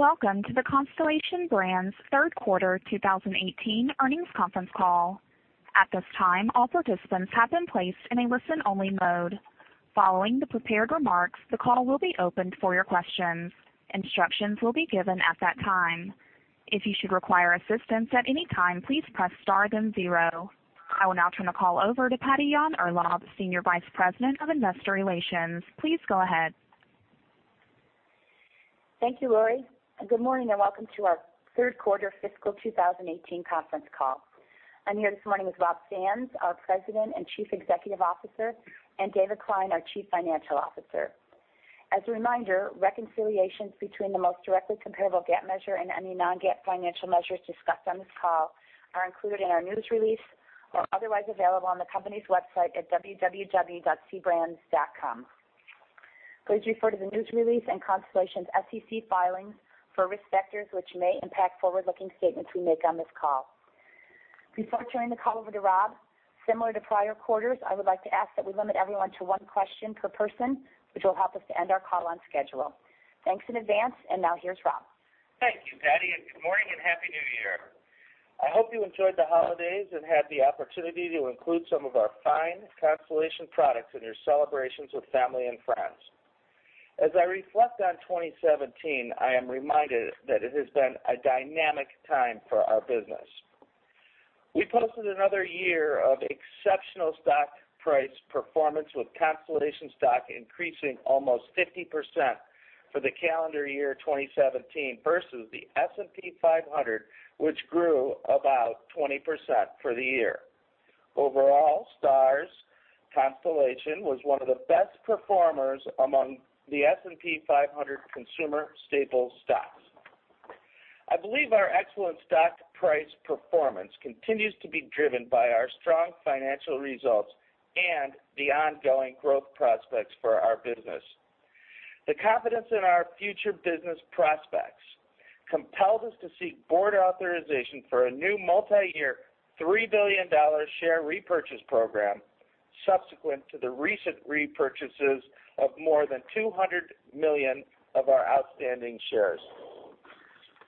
Welcome to the Constellation Brands third quarter 2018 earnings conference call. At this time, all participants have been placed in a listen-only mode. Following the prepared remarks, the call will be opened for your questions. Instructions will be given at that time. If you should require assistance at any time, please press star then zero. I will now turn the call over to Patty Yahn-Urlaub, Senior Vice President of Investor Relations. Please go ahead. Thank you, Lori, good morning, and welcome to our third quarter fiscal 2018 conference call. I'm here this morning with Rob Sands, our President and Chief Executive Officer, and David Klein, our Chief Financial Officer. As a reminder, reconciliations between the most directly comparable GAAP measure and any non-GAAP financial measures discussed on this call are included in our news release or otherwise available on the company's website at www.cbrands.com. Please refer to the news release and Constellation's SEC filings for risk factors which may impact forward-looking statements we make on this call. Before turning the call over to Rob, similar to prior quarters, I would like to ask that we limit everyone to one question per person, which will help us to end our call on schedule. Thanks in advance, now here's Rob. Thank you, Patty, good morning and Happy New Year. I hope you enjoyed the holidays and had the opportunity to include some of our fine Constellation products in your celebrations with family and friends. As I reflect on 2017, I am reminded that it has been a dynamic time for our business. We posted another year of exceptional stock price performance, with Constellation stock increasing almost 50% for the calendar year 2017 versus the S&P 500, which grew about 20% for the year. Overall, stars Constellation was one of the best performers among the S&P 500 consumer staples stocks. I believe our excellent stock price performance continues to be driven by our strong financial results and the ongoing growth prospects for our business. The confidence in our future business prospects compelled us to seek board authorization for a new multi-year $3 billion share repurchase program subsequent to the recent repurchases of more than $200 million of our outstanding shares.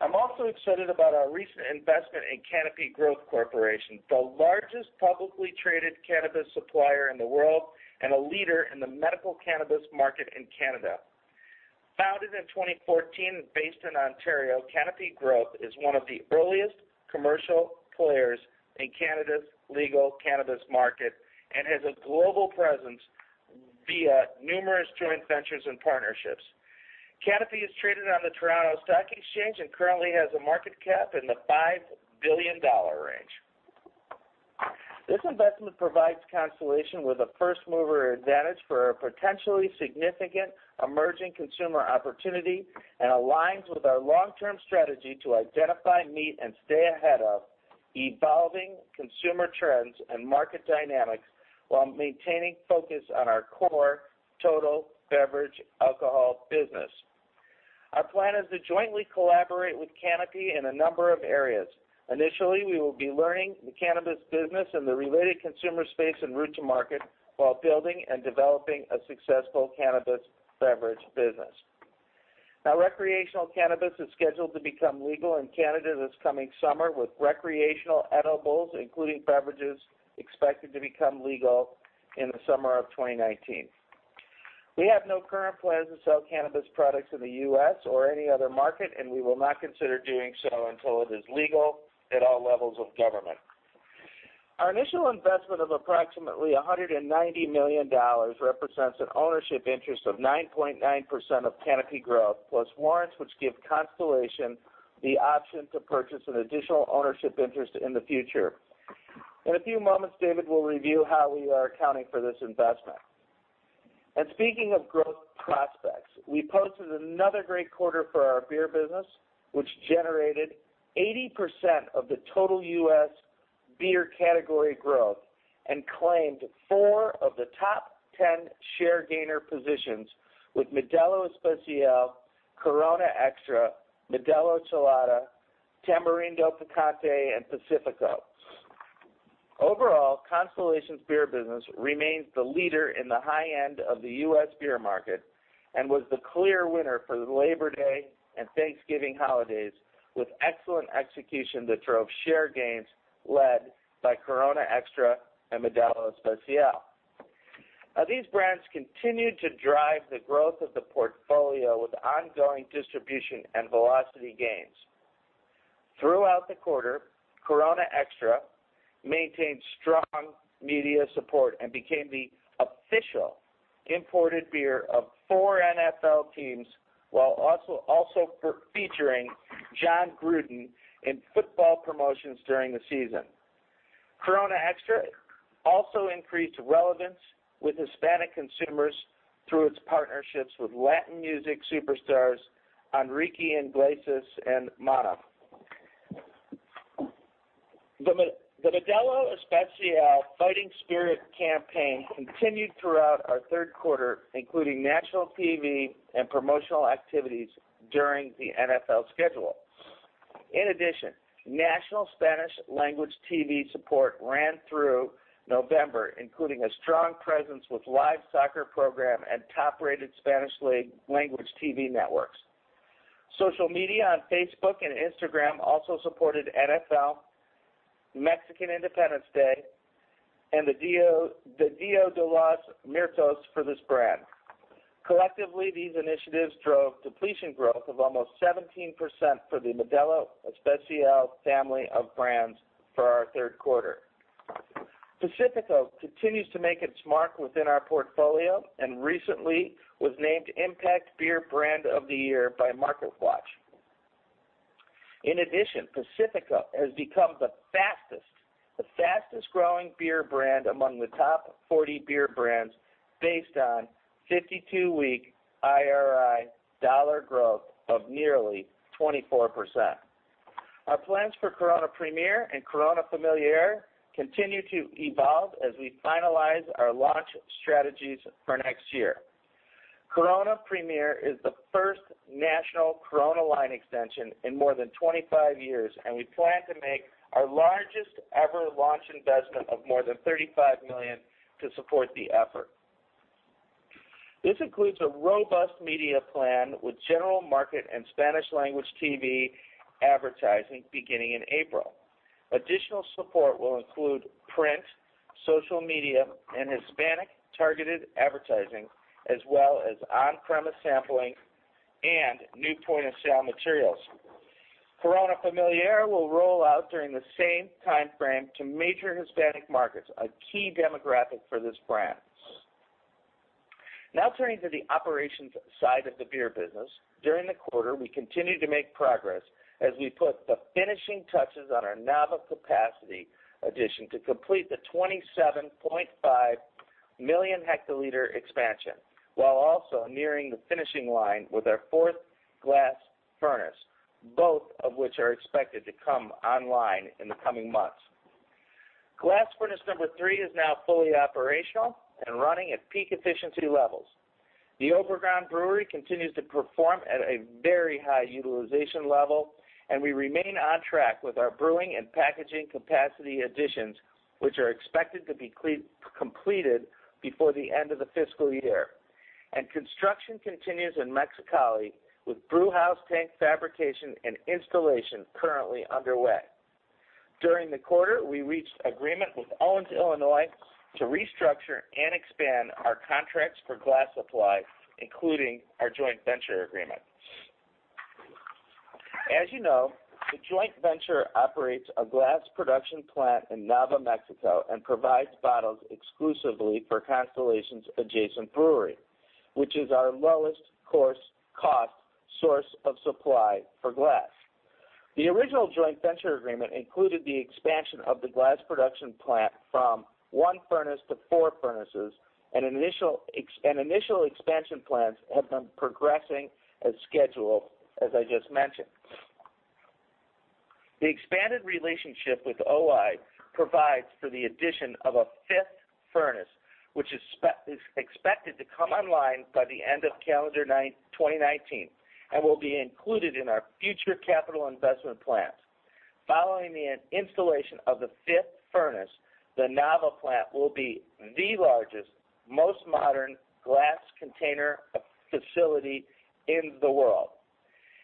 I'm also excited about our recent investment in Canopy Growth Corporation, the largest publicly traded cannabis supplier in the world and a leader in the medical cannabis market in Canada. Founded in 2014 and based in Ontario, Canopy Growth is one of the earliest commercial players in Canada's legal cannabis market and has a global presence via numerous joint ventures and partnerships. Canopy is traded on the Toronto Stock Exchange and currently has a market cap in the $5 billion range. This investment provides Constellation with a first-mover advantage for a potentially significant emerging consumer opportunity and aligns with our long-term strategy to identify, meet, and stay ahead of evolving consumer trends and market dynamics while maintaining focus on our core total beverage alcohol business. Our plan is to jointly collaborate with Canopy in a number of areas. Initially, we will be learning the cannabis business and the related consumer space and route to market while building and developing a successful cannabis beverage business. Recreational cannabis is scheduled to become legal in Canada this coming summer, with recreational edibles, including beverages, expected to become legal in the summer of 2019. We have no current plans to sell cannabis products in the U.S. or any other market, we will not consider doing so until it is legal at all levels of government. Our initial investment of approximately $190 million represents an ownership interest of 9.9% of Canopy Growth, plus warrants which give Constellation the option to purchase an additional ownership interest in the future. In a few moments, David will review how we are accounting for this investment. Speaking of growth prospects, we posted another great quarter for our beer business, which generated 80% of the total U.S. beer category growth and claimed four of the top 10 share gainer positions with Modelo Especial, Corona Extra, Modelo Chelada Tamarindo Picante, and Pacifico. Overall, Constellation's beer business remains the leader in the high end of the U.S. beer market and was the clear winner for the Labor Day and Thanksgiving holidays, with excellent execution that drove share gains led by Corona Extra and Modelo Especial. These brands continued to drive the growth of the portfolio with ongoing distribution and velocity gains. Throughout the quarter, Corona Extra maintained strong media support and became the official imported beer of four NFL teams, while also featuring Jon Gruden in football promotions during the season. Corona Extra also increased relevance with Hispanic consumers through its partnerships with Latin music superstars Enrique Iglesias and Maná. The Modelo Especial Fighting Spirit campaign continued throughout our third quarter, including national TV and promotional activities during the NFL schedule. In addition, national Spanish language TV support ran through November, including a strong presence with live soccer program and top-rated Spanish language TV networks. Social media on Facebook and Instagram also supported NFL, Mexican Independence Day, and the Día de los Muertos for this brand. Collectively, these initiatives drove depletion growth of almost 17% for the Modelo Especial family of brands for our third quarter. Pacifico continues to make its mark within our portfolio and recently was named Impact Beer Brand of the Year by MarketWatch. In addition, Pacifico has become the fastest growing beer brand among the top 40 beer brands, based on 52-week IRI dollar growth of nearly 24%. Our plans for Corona Premier and Corona Familiar continue to evolve as we finalize our launch strategies for next year. Corona Premier is the first national Corona line extension in more than 25 years, we plan to make our largest ever launch investment of more than $35 million to support the effort. This includes a robust media plan with general market and Spanish language TV advertising beginning in April. Additional support will include print, social media, and Hispanic targeted advertising, as well as on-premise sampling and new point-of-sale materials. Corona Familiar will roll out during the same timeframe to major Hispanic markets, a key demographic for this brand. Now turning to the operations side of the beer business. During the quarter, we continued to make progress as we put the finishing touches on our Nava capacity addition to complete the 27.5 million hectoliter expansion, while also nearing the finishing line with our fourth glass furnace, both of which are expected to come online in the coming months. Glass furnace number three is now fully operational and running at peak efficiency levels. The Obregon brewery continues to perform at a very high utilization level, and we remain on track with our brewing and packaging capacity additions, which are expected to be completed before the end of the fiscal year. Construction continues in Mexicali with brewhouse tank fabrication and installation currently underway. During the quarter, we reached agreement with Owens-Illinois to restructure and expand our contracts for glass supply, including our joint venture agreement. As you know, the joint venture operates a glass production plant in Nava, Mexico, and provides bottles exclusively for Constellation's adjacent brewery, which is our lowest cost source of supply for glass. The original joint venture agreement included the expansion of the glass production plant from one furnace to four furnaces, and initial expansion plans have been progressing as scheduled as I just mentioned. The expanded relationship with O-I provides for the addition of a fifth furnace, which is expected to come online by the end of calendar 2019 and will be included in our future capital investment plans. Following the installation of the fifth furnace, the Nava plant will be the largest, most modern glass container facility in the world.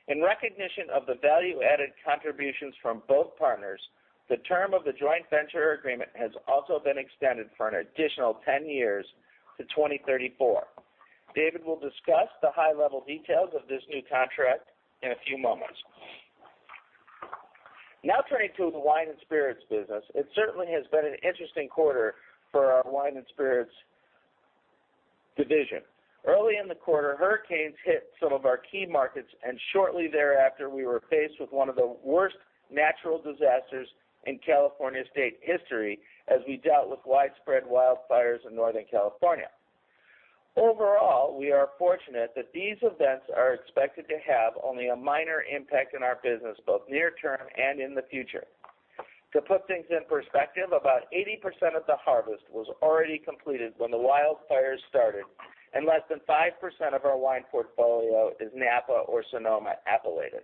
In recognition of the value-added contributions from both partners, the term of the joint venture agreement has also been extended for an additional 10 years to 2034. David will discuss the high-level details of this new contract in a few moments. Now turning to the wine and spirits business. It certainly has been an interesting quarter for our wine and spirits division. Early in the quarter, hurricanes hit some of our key markets, and shortly thereafter, we were faced with one of the worst natural disasters in California state history as we dealt with widespread wildfires in Northern California. Overall, we are fortunate that these events are expected to have only a minor impact in our business, both near-term and in the future. To put things in perspective, about 80% of the harvest was already completed when the wildfires started, and less than 5% of our wine portfolio is Napa or Sonoma appellated.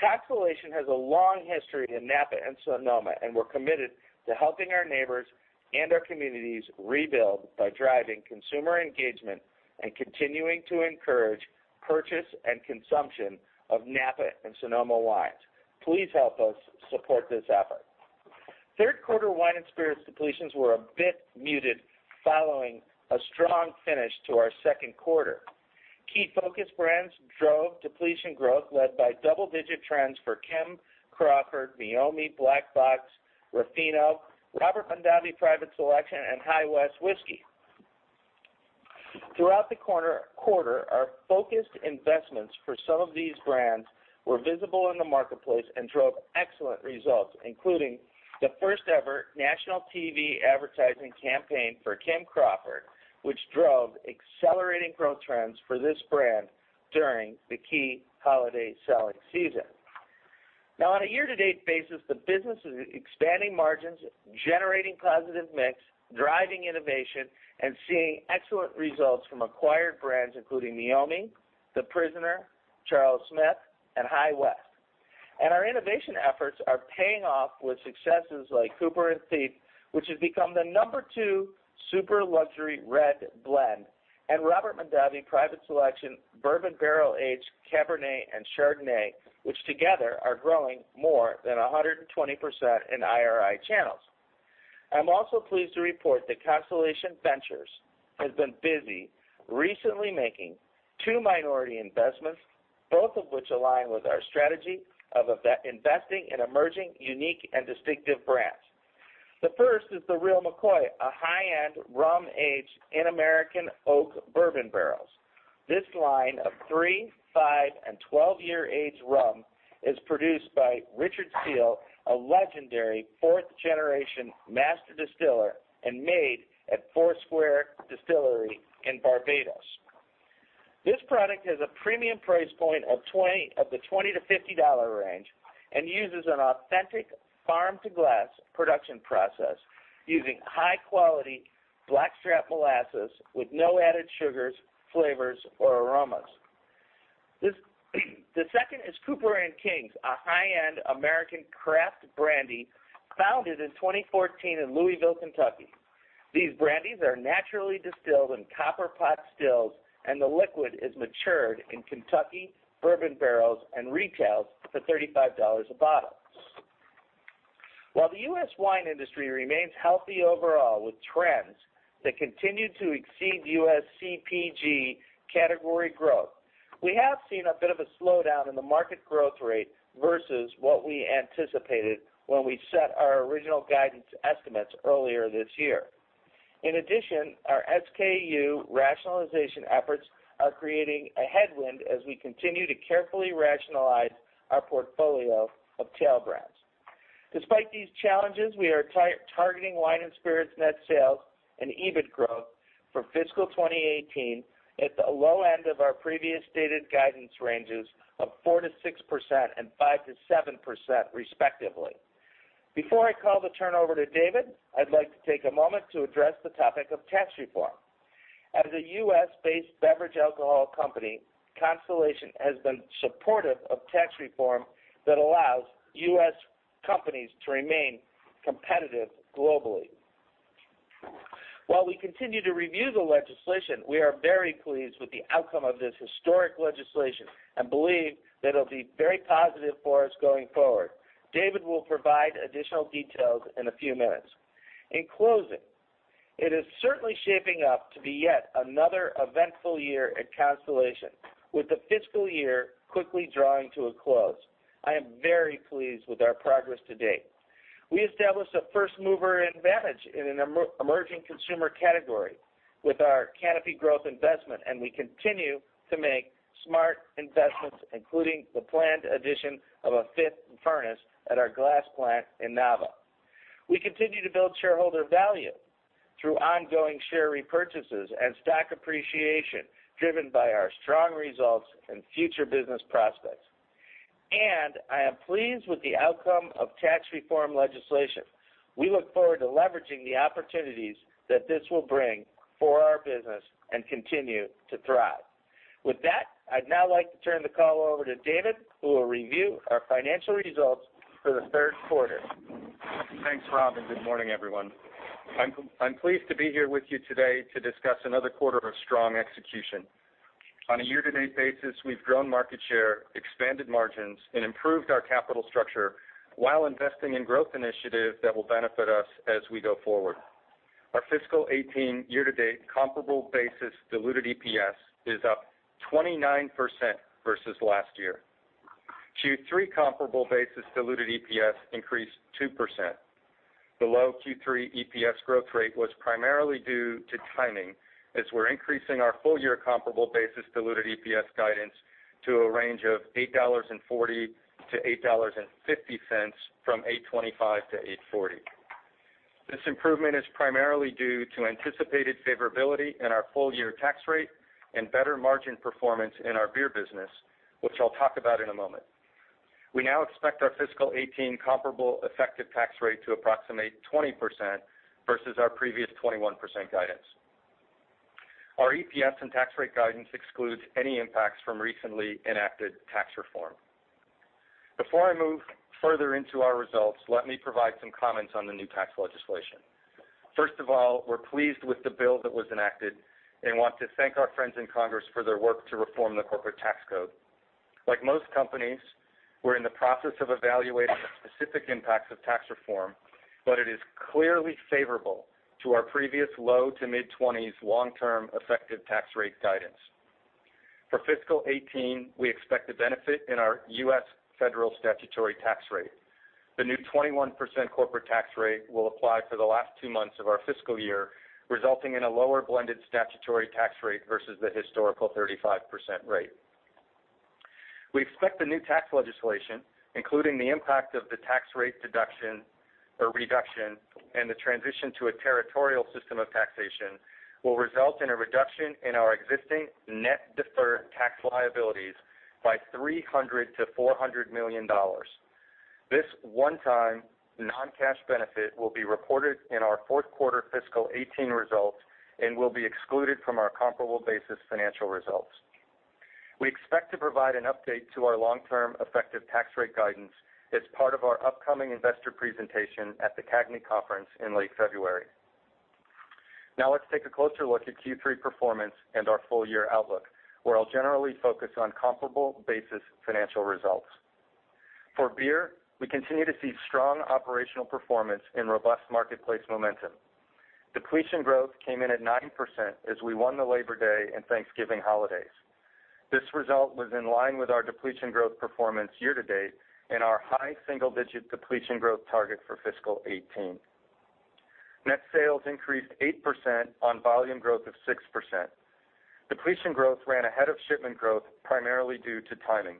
Constellation has a long history in Napa and Sonoma, and we're committed to helping our neighbors and our communities rebuild by driving consumer engagement and continuing to encourage purchase and consumption of Napa and Sonoma wines. Please help us support this effort. Third quarter wine and spirits depletions were a bit muted following a strong finish to our second quarter. Key focus brands drove depletion growth led by double-digit trends for Kim Crawford, Meiomi, Black Box, Ruffino, Robert Mondavi Private Selection and High West Whiskey. Throughout the quarter, our focused investments for some of these brands were visible in the marketplace and drove excellent results, including the first ever national TV advertising campaign for Kim Crawford, which drove accelerating growth trends for this brand during the key holiday selling season. On a year-to-date basis, the business is expanding margins, generating positive mix, driving innovation, and seeing excellent results from acquired brands, including Meiomi, The Prisoner, Charles Smith, and High West. Our innovation efforts are paying off with successes like Cooper & Thief, which has become the number 2 super luxury red blend, and Robert Mondavi Private Selection, Bourbon Barrel-Aged Cabernet and Chardonnay, which together are growing more than 120% in IRI channels. I'm also pleased to report that Constellation Ventures has been busy recently making two minority investments, both of which align with our strategy of investing in emerging, unique, and distinctive brands. The first is The Real McCoy, a high-end rum aged in American oak bourbon barrels. This line of three, five, and 12-year aged rum is produced by Richard Seale, a legendary fourth-generation master distiller, and made at Foursquare Distillery in Barbados. This product has a premium price point of the $20-$50 range and uses an authentic farm-to-glass production process using high-quality blackstrap molasses with no added sugars, flavors, or aromas. The second is Copper & Kings, a high-end American craft brandy founded in 2014 in Louisville, Kentucky. These brandies are naturally distilled in copper pot stills, and the liquid is matured in Kentucky bourbon barrels and retails for $35 a bottle. While the U.S. wine industry remains healthy overall with trends that continue to exceed U.S. CPG category growth, we have seen a bit of a slowdown in the market growth rate versus what we anticipated when we set our original guidance estimates earlier this year. In addition, our SKU rationalization efforts are creating a headwind as we continue to carefully rationalize our portfolio of tail brands. Despite these challenges, we are targeting wine and spirits net sales and EBIT growth for fiscal 2018 at the low end of our previous stated guidance ranges of 4%-6% and 5%-7%, respectively. Before I call the turnover to David, I'd like to take a moment to address the topic of tax reform. As a U.S.-based beverage alcohol company, Constellation has been supportive of tax reform that allows U.S. companies to remain competitive globally. While we continue to review the legislation, we are very pleased with the outcome of this historic legislation and believe that it'll be very positive for us going forward. David will provide additional details in a few minutes. In closing, it is certainly shaping up to be yet another eventful year at Constellation, with the fiscal year quickly drawing to a close. I am very pleased with our progress to date. We established a first-mover advantage in an emerging consumer category with our Canopy Growth investment, and we continue to make smart investments, including the planned addition of a fifth furnace at our glass plant in Nava. We continue to build shareholder value through ongoing share repurchases and stock appreciation, driven by our strong results and future business prospects. I am pleased with the outcome of tax reform legislation. We look forward to leveraging the opportunities that this will bring for our business and continue to thrive. With that, I'd now like to turn the call over to David, who will review our financial results for the third quarter. Thanks, Rob, and good morning, everyone. I'm pleased to be here with you today to discuss another quarter of strong execution. On a year-to-date basis, we've grown market share, expanded margins, and improved our capital structure while investing in growth initiatives that will benefit us as we go forward. Our fiscal 2018 year-to-date comparable basis diluted EPS is up 29% versus last year. Q3 comparable basis diluted EPS increased 2%. The low Q3 EPS growth rate was primarily due to timing, as we're increasing our full-year comparable basis diluted EPS guidance to a range of $8.40-$8.50 from $8.25-$8.40. This improvement is primarily due to anticipated favorability in our full-year tax rate and better margin performance in our beer business, which I'll talk about in a moment. We now expect our fiscal 2018 comparable effective tax rate to approximate 20% versus our previous 21% guidance. Our EPS and tax rate guidance excludes any impacts from recently enacted tax reform. Before I move further into our results, let me provide some comments on the new tax legislation. First of all, we're pleased with the bill that was enacted and want to thank our friends in Congress for their work to reform the corporate tax code. Like most companies, we're in the process of evaluating the specific impacts of tax reform, but it is clearly favorable to our previous low to mid-20s long-term effective tax rate guidance. For fiscal 2018, we expect a benefit in our U.S. federal statutory tax rate. The new 21% corporate tax rate will apply for the last two months of our fiscal year, resulting in a lower blended statutory tax rate versus the historical 35% rate. We expect the new tax legislation, including the impact of the tax rate deduction or reduction and the transition to a territorial system of taxation will result in a reduction in our existing net deferred tax liabilities by $300 million-$400 million. This one-time non-cash benefit will be reported in our fourth quarter fiscal 2018 results and will be excluded from our comparable basis financial results. We expect to provide an update to our long-term effective tax rate guidance as part of our upcoming investor presentation at the CAGNY conference in late February. Let's take a closer look at Q3 performance and our full-year outlook, where I'll generally focus on comparable basis financial results. For beer, we continue to see strong operational performance and robust marketplace momentum. Depletion growth came in at 9% as we won the Labor Day and Thanksgiving holidays. This result was in line with our depletion growth performance year-to-date and our high single-digit depletion growth target for fiscal 2018. Net sales increased 8% on volume growth of 6%. Depletion growth ran ahead of shipment growth, primarily due to timing.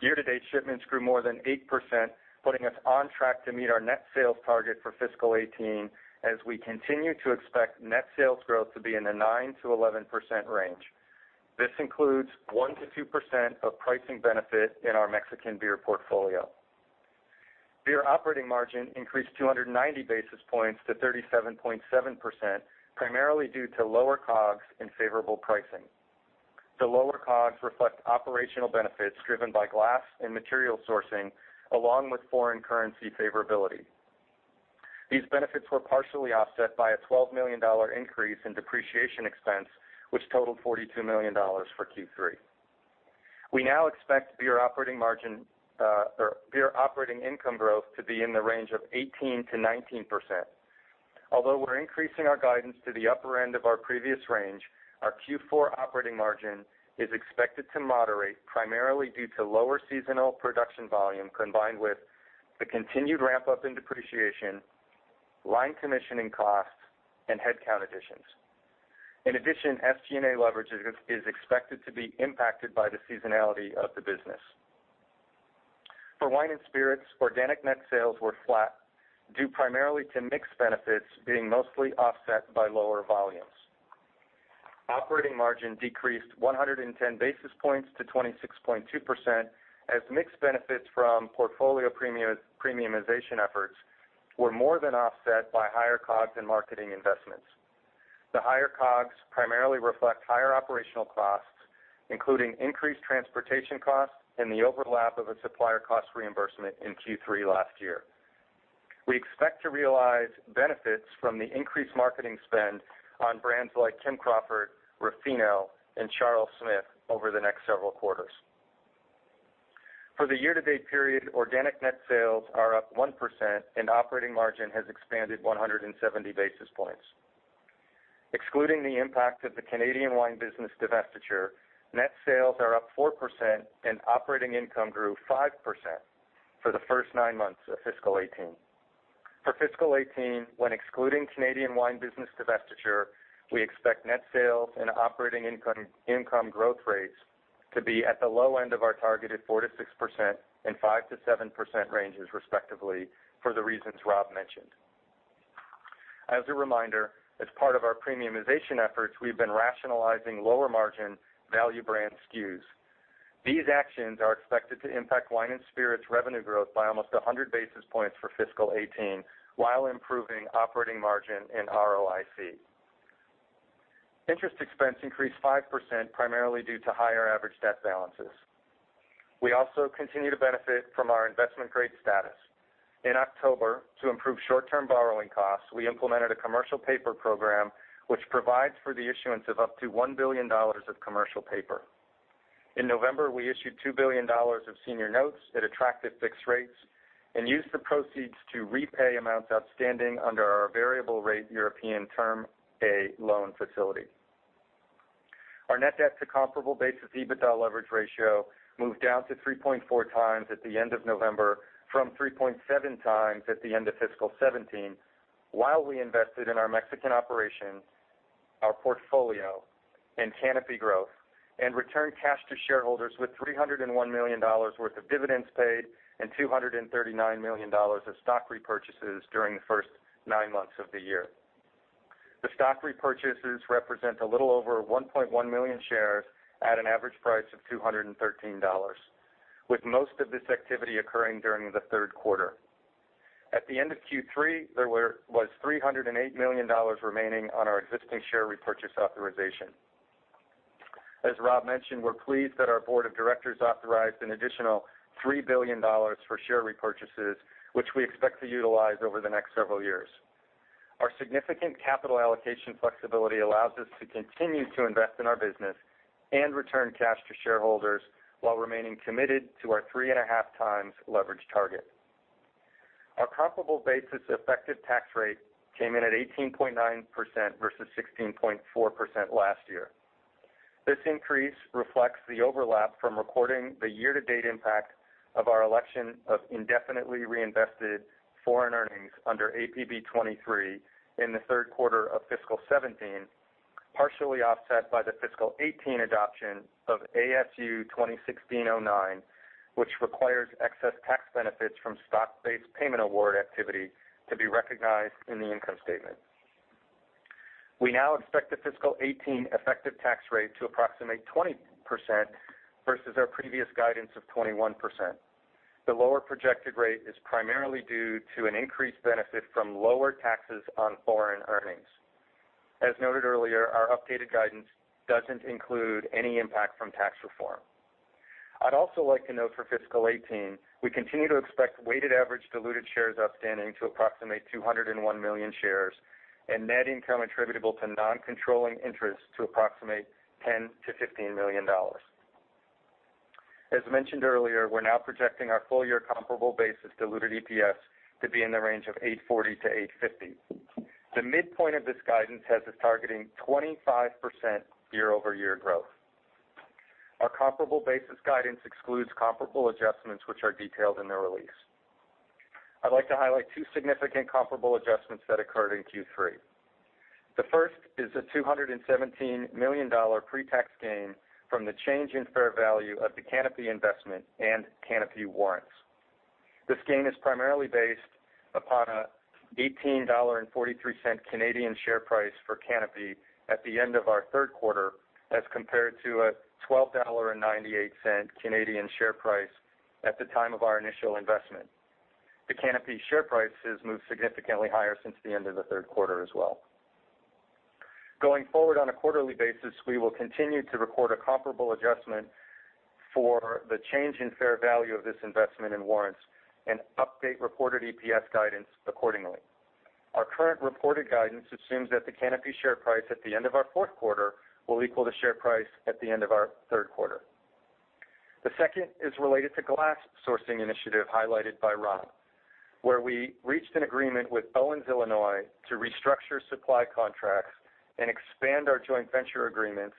Year-to-date shipments grew more than 8%, putting us on track to meet our net sales target for fiscal 2018, as we continue to expect net sales growth to be in the 9%-11% range. This includes 1%-2% of pricing benefit in our Mexican beer portfolio. Beer operating margin increased 290 basis points to 37.7%, primarily due to lower COGS and favorable pricing. The lower COGS reflect operational benefits driven by glass and material sourcing, along with foreign currency favorability. These benefits were partially offset by a $12 million increase in depreciation expense, which totaled $42 million for Q3. We now expect beer operating income growth to be in the range of 18%-19%. Although we're increasing our guidance to the upper end of our previous range, our Q4 operating margin is expected to moderate, primarily due to lower seasonal production volume, combined with the continued ramp-up in depreciation, line commissioning costs, and headcount additions. In addition, SG&A leverage is expected to be impacted by the seasonality of the business. For wine and spirits, organic net sales were flat, due primarily to mix benefits being mostly offset by lower volumes. Operating margin decreased 110 basis points to 26.2% as mix benefits from portfolio premiumization efforts were more than offset by higher COGS and marketing investments. The higher COGS primarily reflect higher operational costs, including increased transportation costs and the overlap of a supplier cost reimbursement in Q3 last year. We expect to realize benefits from the increased marketing spend on brands like Kim Crawford, Ruffino, and Charles Smith over the next several quarters. For the year-to-date period, organic net sales are up 1% and operating margin has expanded 170 basis points. Excluding the impact of the Canadian wine business divestiture, net sales are up 4% and operating income grew 5% for the first nine months of fiscal 2018. For fiscal 2018, when excluding Canadian wine business divestiture, we expect net sales and operating income growth rates to be at the low end of our targeted 4%-6% and 5%-7% ranges respectively, for the reasons Rob mentioned. As a reminder, as part of our premiumization efforts, we've been rationalizing lower-margin value brand SKUs. These actions are expected to impact wine and spirits revenue growth by almost 100 basis points for fiscal 2018, while improving operating margin and ROIC. Interest expense increased 5%, primarily due to higher average debt balances. We also continue to benefit from our investment-grade status. In October, to improve short-term borrowing costs, we implemented a commercial paper program, which provides for the issuance of up to $1 billion of commercial paper. In November, we issued $2 billion of senior notes at attractive fixed rates and used the proceeds to repay amounts outstanding under our variable rate European Term A loan facility. Our net debt to comparable basis EBITDA leverage ratio moved down to 3.4 times at the end of November from 3.7 times at the end of fiscal 2017, while we invested in our Mexican operations, our portfolio, and Canopy Growth, and returned cash to shareholders with $301 million worth of dividends paid and $239 million of stock repurchases during the first nine months of the year. The stock repurchases represent a little over 1.1 million shares at an average price of $213, with most of this activity occurring during the third quarter. At the end of Q3, there was $308 million remaining on our existing share repurchase authorization. As Rob mentioned, we're pleased that our board of directors authorized an additional $3 billion for share repurchases, which we expect to utilize over the next several years. Our significant capital allocation flexibility allows us to continue to invest in our business and return cash to shareholders while remaining committed to our three and a half times leverage target. Our comparable basis effective tax rate came in at 18.9% versus 16.4% last year. This increase reflects the overlap from recording the year-to-date impact of our election of indefinitely reinvested foreign earnings under APB 23 in the third quarter of fiscal 2017 partially offset by the fiscal 2018 adoption of ASU 2016-09, which requires excess tax benefits from stock-based payment award activity to be recognized in the income statement. We now expect the fiscal 2018 effective tax rate to approximate 20% versus our previous guidance of 21%. The lower projected rate is primarily due to an increased benefit from lower taxes on foreign earnings. As noted earlier, our updated guidance doesn't include any impact from tax reform. I'd also like to note for fiscal 2018, we continue to expect weighted average diluted shares outstanding to approximate 201 million shares and net income attributable to non-controlling interests to approximate $10 million to $15 million. As mentioned earlier, we're now projecting our full year comparable basis diluted EPS to be in the range of $8.40 to $8.50. The midpoint of this guidance has us targeting 25% year-over-year growth. Our comparable basis guidance excludes comparable adjustments, which are detailed in the release. I'd like to highlight two significant comparable adjustments that occurred in Q3. The first is a $217 million pre-tax gain from the change in fair value of the Canopy investment and Canopy warrants. This gain is primarily based upon a 18.43 Canadian dollars share price for Canopy at the end of our third quarter, as compared to a 12.98 Canadian dollars share price at the time of our initial investment. The Canopy share price has moved significantly higher since the end of the third quarter as well. Going forward on a quarterly basis, we will continue to record a comparable adjustment for the change in fair value of this investment in warrants and update reported EPS guidance accordingly. Our current reported guidance assumes that the Canopy share price at the end of our fourth quarter will equal the share price at the end of our third quarter. The second is related to glass sourcing initiative highlighted by Rob, where we reached an agreement with Owens-Illinois to restructure supply contracts and expand our joint venture agreements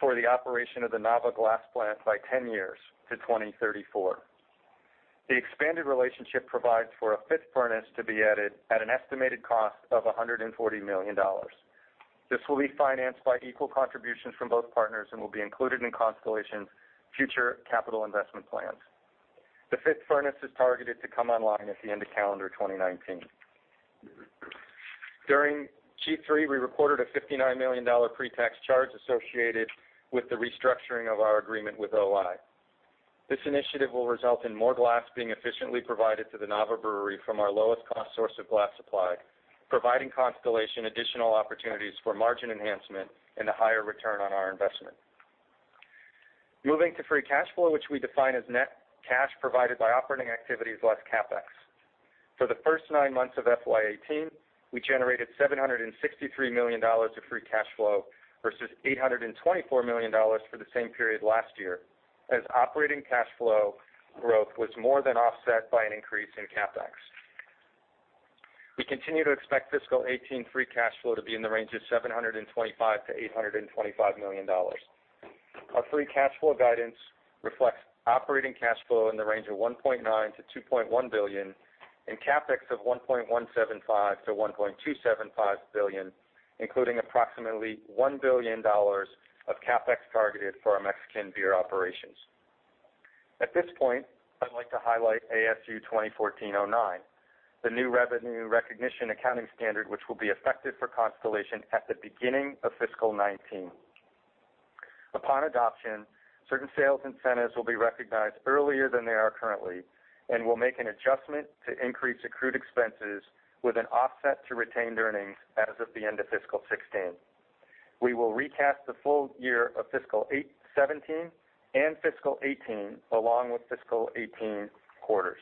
for the operation of the Nava Glass plant by 10 years to 2034. The expanded relationship provides for a fifth furnace to be added at an estimated cost of $140 million. This will be financed by equal contributions from both partners and will be included in Constellation's future capital investment plans. The fifth furnace is targeted to come online at the end of calendar 2019. During Q3, we recorded a $59 million pre-tax charge associated with the restructuring of our agreement with O-I. This initiative will result in more glass being efficiently provided to the Nava Brewery from our lowest cost source of glass supply, providing Constellation additional opportunities for margin enhancement and a higher return on our investment. Moving to free cash flow, which we define as net cash provided by operating activities less CapEx. For the first nine months of FY 2018, we generated $763 million of free cash flow versus $824 million for the same period last year as operating cash flow growth was more than offset by an increase in CapEx. We continue to expect fiscal 2018 free cash flow to be in the range of $725 million-$825 million. Our free cash flow guidance reflects operating cash flow in the range of $1.9 billion-$2.1 billion and CapEx of $1.175 billion-$1.275 billion, including approximately $1 billion of CapEx targeted for our Mexican beer operations. At this point, I'd like to highlight ASU 2014-09, the new revenue recognition accounting standard, which will be effective for Constellation at the beginning of fiscal 2019. Upon adoption, certain sales incentives will be recognized earlier than they are currently and will make an adjustment to increase accrued expenses with an offset to retained earnings as of the end of fiscal 2016. We will recast the full year of fiscal 2017 and fiscal 2018, along with fiscal 2018 quarters.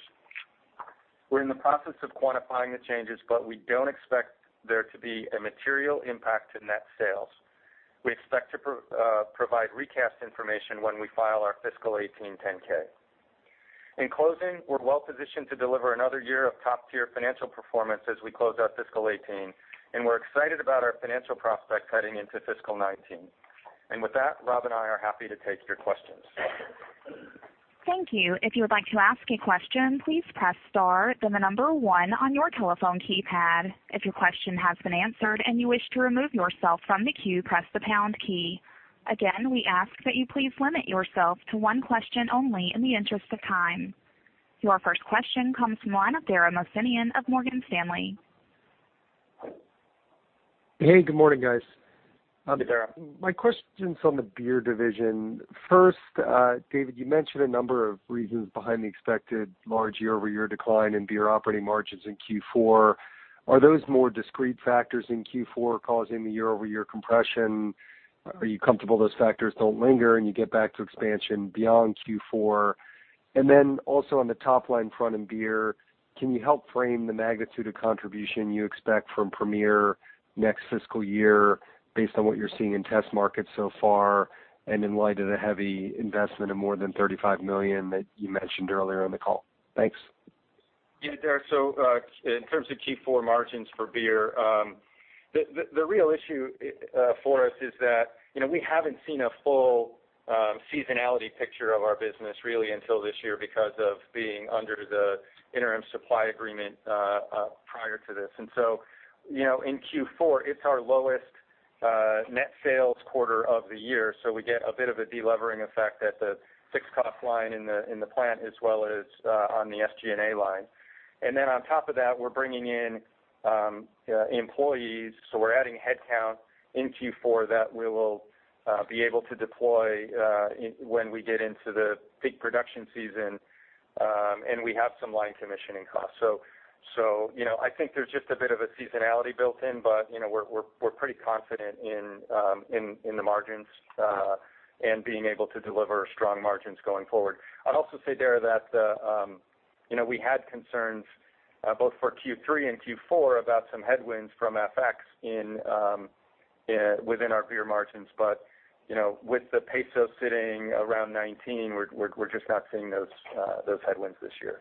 We're in the process of quantifying the changes, we don't expect there to be a material impact to net sales. We expect to provide recast information when we file our fiscal 2018 10-K. In closing, we're well positioned to deliver another year of top-tier financial performance as we close out fiscal 2018, we're excited about our financial prospects heading into fiscal 2019. With that, Rob and I are happy to take your questions. Thank you. If you would like to ask a question, please press star, then the number one on your telephone keypad. If your question has been answered and you wish to remove yourself from the queue, press the pound key. Again, we ask that you please limit yourself to one question only in the interest of time. Your first question comes from Dara Mohsenian of Morgan Stanley. Hey, good morning, guys. Hi, Dara. My question's on the beer division. First, David, you mentioned a number of reasons behind the expected large year-over-year decline in beer operating margins in Q4. Are those more discrete factors in Q4 causing the year-over-year compression? Are you comfortable those factors don't linger and you get back to expansion beyond Q4? Also on the top-line front in beer, can you help frame the magnitude of contribution you expect from Corona Premier next fiscal year based on what you're seeing in test markets so far, and in light of the heavy investment of more than $35 million that you mentioned earlier in the call? Thanks. Yeah, Dara. In terms of Q4 margins for beer, the real issue for us is that we haven't seen a full seasonality picture of our business really until this year because of being under the interim supply agreement prior to this. In Q4, it's our lowest net sales quarter of the year. We get a bit of a de-levering effect at the fixed cost line in the plant as well as on the SG&A line. On top of that, we're bringing in employees, we're adding headcount in Q4 that we will be able to deploy when we get into the peak production season, and we have some line commissioning costs. I think there's just a bit of a seasonality built in, we're pretty confident in the margins and being able to deliver strong margins going forward. I'd also say there that we had concerns both for Q3 and Q4 about some headwinds from FX within our beer margins. With the peso sitting around 19, we're just not seeing those headwinds this year.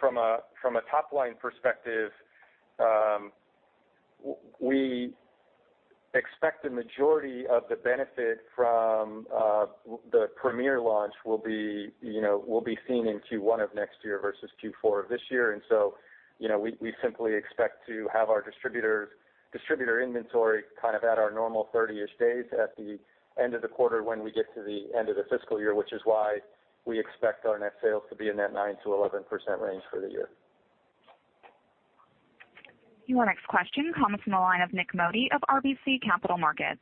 From a top-line perspective, we expect the majority of the benefit from the Premier launch will be seen in Q1 of next year versus Q4 of this year. We simply expect to have our distributor inventory kind of at our normal 30-ish days at the end of the quarter when we get to the end of the fiscal year, which is why we expect our net sales to be in that 9%-11% range for the year. Your next question comes from the line of Nik Modi of RBC Capital Markets.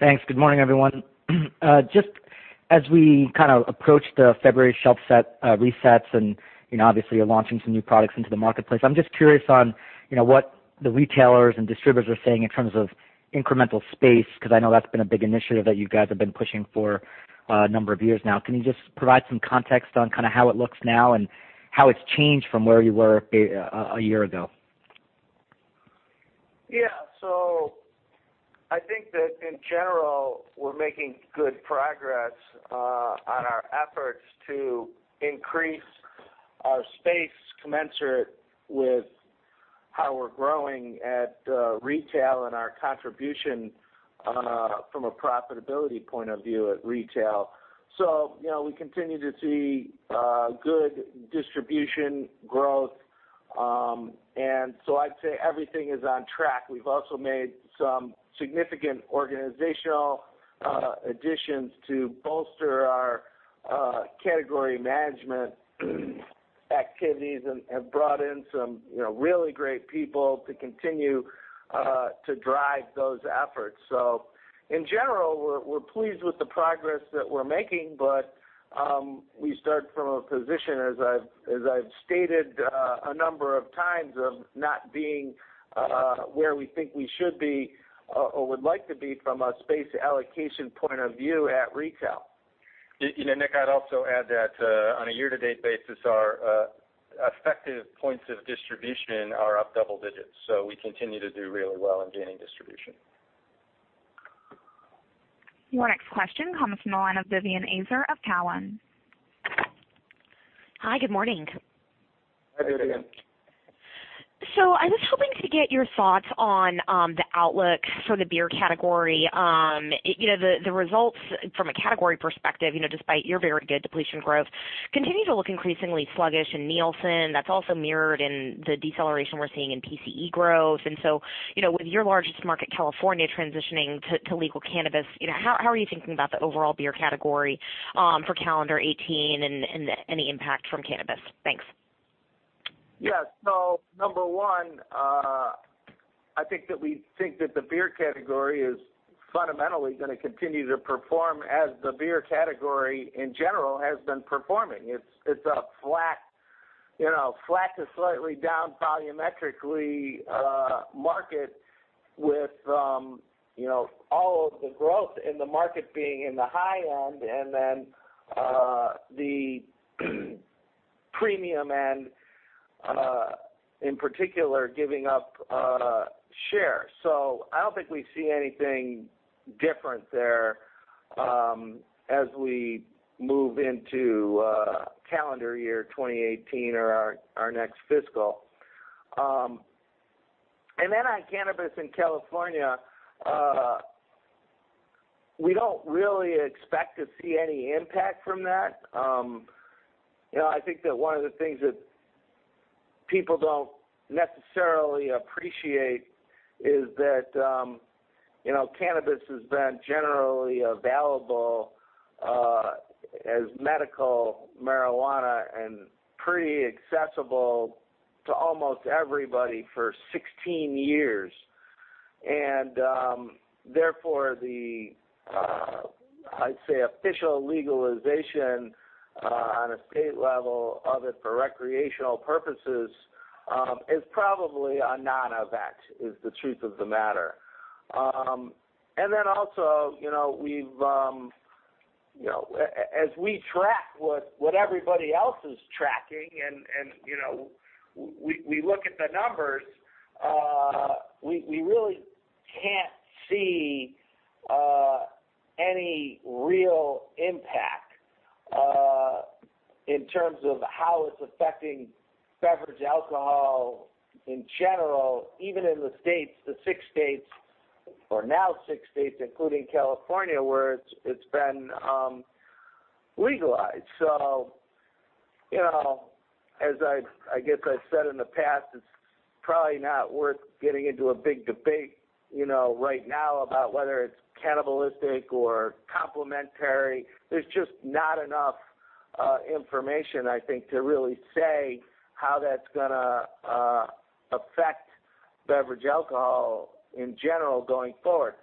Thanks. Good morning, everyone. Just as we kind of approach the February shelf set resets and obviously you're launching some new products into the marketplace, I'm just curious on what the retailers and distributors are saying in terms of incremental space, because I know that's been a big initiative that you guys have been pushing for a number of years now. Can you just provide some context on kind of how it looks now and how it's changed from where you were a year ago? Yeah. I think that in general, we're making good progress on our efforts to increase our space commensurate with how we're growing at retail and our contribution from a profitability point of view at retail. We continue to see good distribution growth. I'd say everything is on track. We've also made some significant organizational additions to bolster our category management activities and have brought in some really great people to continue to drive those efforts. In general, we're pleased with the progress that we're making. We start from a position, as I've stated a number of times, of not being where we think we should be or would like to be from a space allocation point of view at retail. Nik, I'd also add that on a year-to-date basis, our effective points of distribution are up double digits. We continue to do really well in gaining distribution. Your next question comes from the line of Vivien Azer of Cowen. Hi. Good morning. Hi, Vivien. I was hoping to get your thoughts on the outlook for the beer category. The results from a category perspective, despite your very good depletion growth, continue to look increasingly sluggish in Nielsen. That's also mirrored in the deceleration we're seeing in PCE growth. With your largest market, California, transitioning to legal cannabis, how are you thinking about the overall beer category for calendar 2018 and any impact from cannabis? Thanks. Yeah. Number 1, I think that we think that the beer category is fundamentally going to continue to perform as the beer category in general has been performing. It's a flat to slightly down volumetrically market with all of the growth in the market being in the high end and then the premium end in particular giving up share. I don't think we see anything different there as we move into calendar year 2018 or our next fiscal. On cannabis in California, we don't really expect to see any impact from that. I think that one of the things that people don't necessarily appreciate is that cannabis has been generally available as medical marijuana and pretty accessible to almost everybody for 16 years. Therefore, the, I'd say, official legalization on a state level of it for recreational purposes is probably a non-event, is the truth of the matter. Also, as we track what everybody else is tracking and we look at the numbers, we really can't see any real impact in terms of how it's affecting beverage alcohol in general, even in the 6 states, or now 6 states, including California, where it's been legalized. As I guess I've said in the past, it's probably not worth getting into a big debate right now about whether it's cannibalistic or complementary. There's just not enough information, I think, to really say how that's going to affect beverage alcohol in general going forward.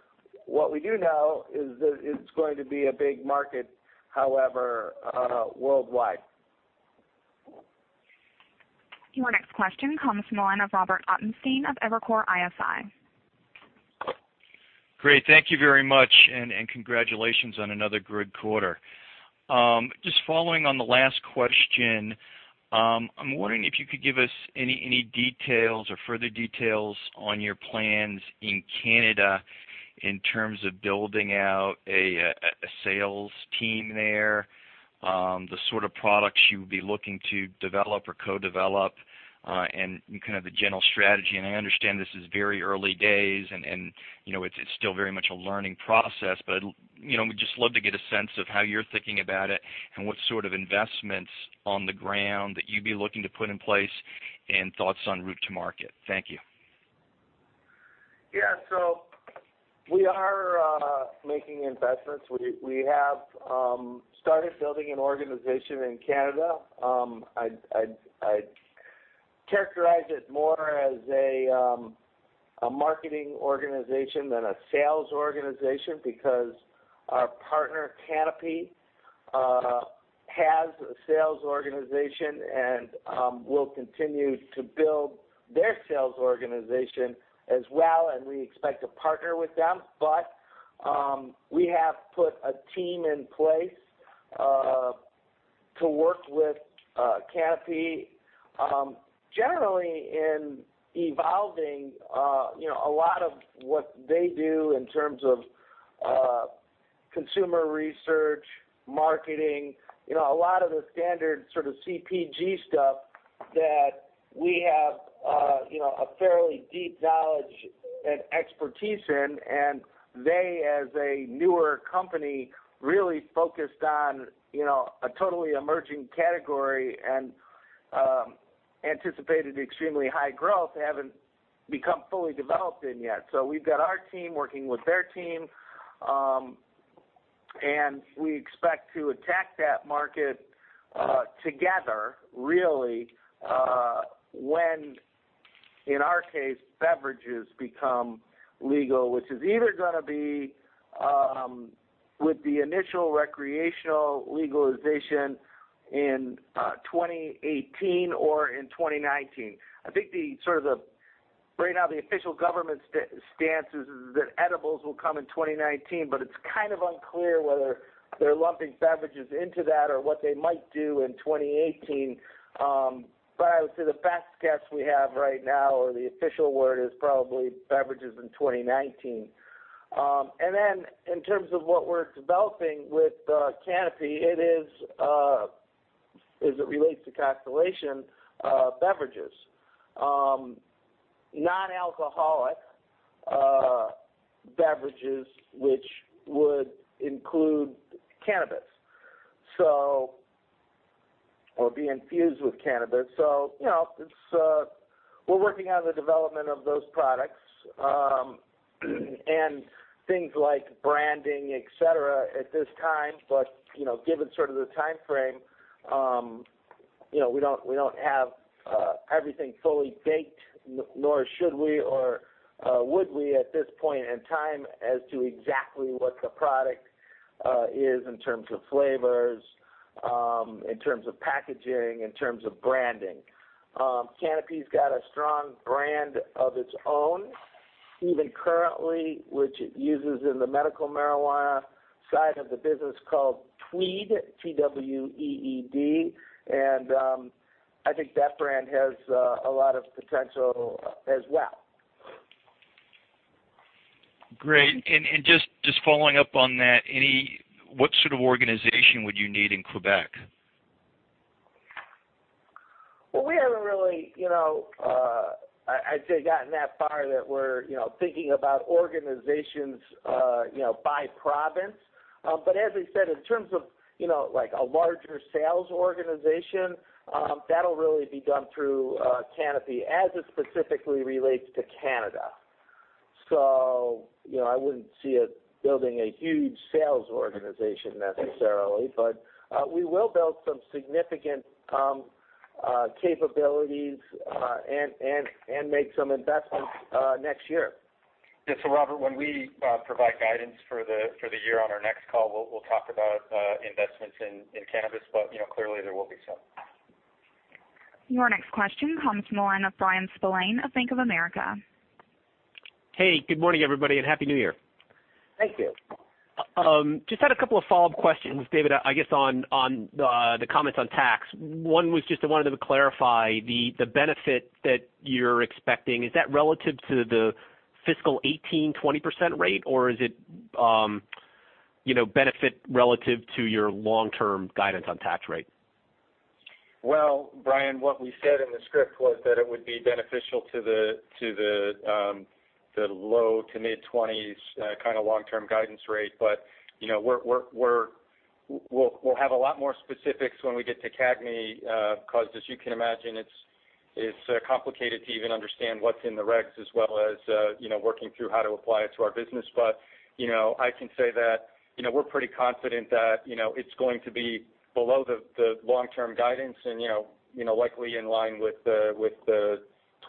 What we do know is that it's going to be a big market, however, worldwide. Your next question comes from the line of Robert Ottenstein of Evercore ISI. Great. Thank you very much, and congratulations on another good quarter. Just following on the last question, I'm wondering if you could give us any details or further details on your plans in Canada in terms of building out a sales team there, the sort of products you would be looking to develop or co-develop, and kind of the general strategy. I understand this is very early days, and it's still very much a learning process. We'd just love to get a sense of how you're thinking about it and what sort of investments on the ground that you'd be looking to put in place, and thoughts on route to market. Thank you. We are making investments. We have started building an organization in Canada. I'd characterize it more as a marketing organization than a sales organization because our partner, Canopy, has a sales organization and will continue to build their sales organization as well, and we expect to partner with them. We have put a team in place to work with Canopy, generally in evolving a lot of what they do in terms of consumer research, marketing, a lot of the standard sort of CPG stuff that we have a fairly deep knowledge and expertise in. They, as a newer company, really focused on a totally emerging category and anticipated extremely high growth they haven't become fully developed in yet. We've got our team working with their team, and we expect to attack that market together, really, when, in our case, beverages become legal, which is either going to be with the initial recreational legalization in 2018 or in 2019. I think right now the official government stance is that edibles will come in 2019, but it's kind of unclear whether they're lumping beverages into that or what they might do in 2018. I would say the best guess we have right now, or the official word is probably beverages in 2019. Then in terms of what we're developing with Canopy, it is, as it relates to Constellation, beverages. Non-alcoholic beverages, which would include cannabis or be infused with cannabis. We're working on the development of those products, and things like branding, et cetera, at this time. Given sort of the timeframe, we don't have everything fully baked, nor should we or would we at this point in time as to exactly what the product is in terms of flavors, in terms of packaging, in terms of branding. Canopy's got a strong brand of its own, even currently, which it uses in the medical marijuana side of the business called Tweed, T-W-E-E-D, and I think that brand has a lot of potential as well. Great. Just following up on that, what sort of organization would you need in Quebec? Well, we haven't really, I'd say, gotten that far that we're thinking about organizations by province. As I said, in terms of a larger sales organization, that'll really be done through Canopy as it specifically relates to Canada. I wouldn't see us building a huge sales organization necessarily, but we will build some significant capabilities, and make some investments next year. Yeah. Robert, when we provide guidance for the year on our next call, we'll talk about investments in cannabis, but clearly there will be some. Your next question comes from the line of Bryan Spillane of Bank of America. Hey, good morning, everybody, and Happy New Year. Thank you. Just had a couple of follow-up questions, David, I guess on the comments on tax. One was just I wanted to clarify the benefit that you're expecting. Is that relative to the fiscal 2018 20% rate, or is it benefit relative to your long-term guidance on tax rate? Well, Bryan, what we said in the script was that it would be beneficial to the The low to mid-20s kind of long-term guidance rate. We'll have a lot more specifics when we get to CAGNY, because as you can imagine, it's complicated to even understand what's in the regs as well as working through how to apply it to our business. I can say that we're pretty confident that it's going to be below the long-term guidance and likely in line with the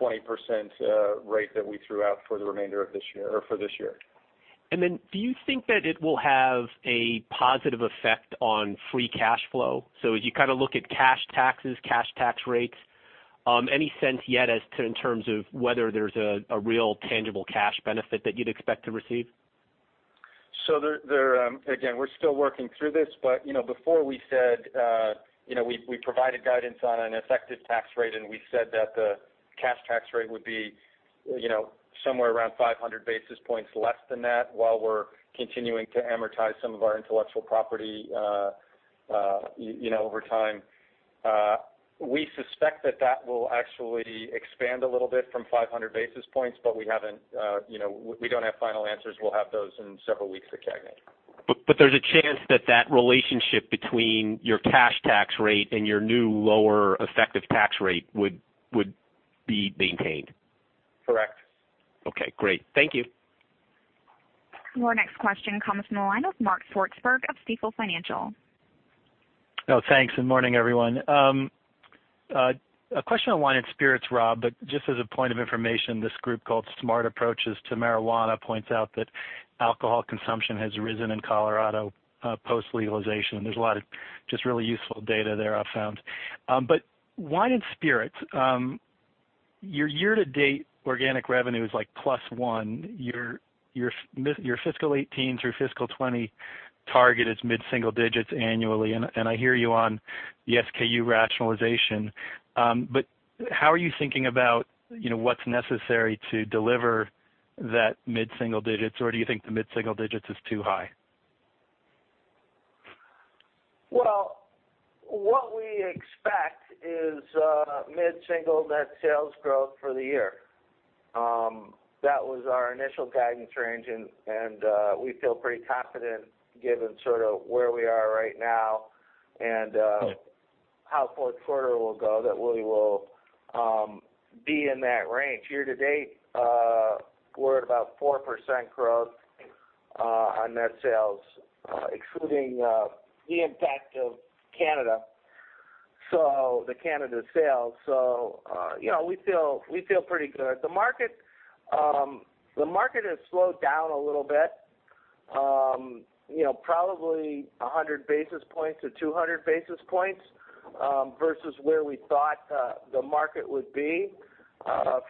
20% rate that we threw out for this year. Do you think that it will have a positive effect on free cash flow? As you look at cash taxes, cash tax rates, any sense yet as to, in terms of whether there's a real tangible cash benefit that you'd expect to receive? Again, we're still working through this, before we said we provided guidance on an effective tax rate, we said that the cash tax rate would be somewhere around 500 basis points less than that while we're continuing to amortize some of our intellectual property over time. We suspect that will actually expand a little bit from 500 basis points, we don't have final answers. We'll have those in several weeks at CAGNY. There's a chance that that relationship between your cash tax rate and your new lower effective tax rate would be maintained. Correct. Okay, great. Thank you. Our next question comes from the line of Mark Swartzberg of Stifel Financial. Thanks. Morning, everyone. A question on wine and spirits, Rob, but just as a point of information, this group called Smart Approaches to Marijuana points out that alcohol consumption has risen in Colorado post-legalization. There's a lot of just really useful data there I've found. Wine and spirits, your year-to-date organic revenue is like plus one. Your fiscal 2018 through fiscal 2020 target is mid-single digits annually, and I hear you on the SKU rationalization. How are you thinking about what's necessary to deliver that mid-single digits, or do you think the mid-single digits is too high? What we expect is mid-single net sales growth for the year. That was our initial guidance range. We feel pretty confident given sort of where we are right now. Right how fourth quarter will go, that we will be in that range. Year to date, we're at about 4% growth on net sales, excluding the impact of Canada, the Canada sales. We feel pretty good. The market has slowed down a little bit, probably 100 basis points to 200 basis points, versus where we thought the market would be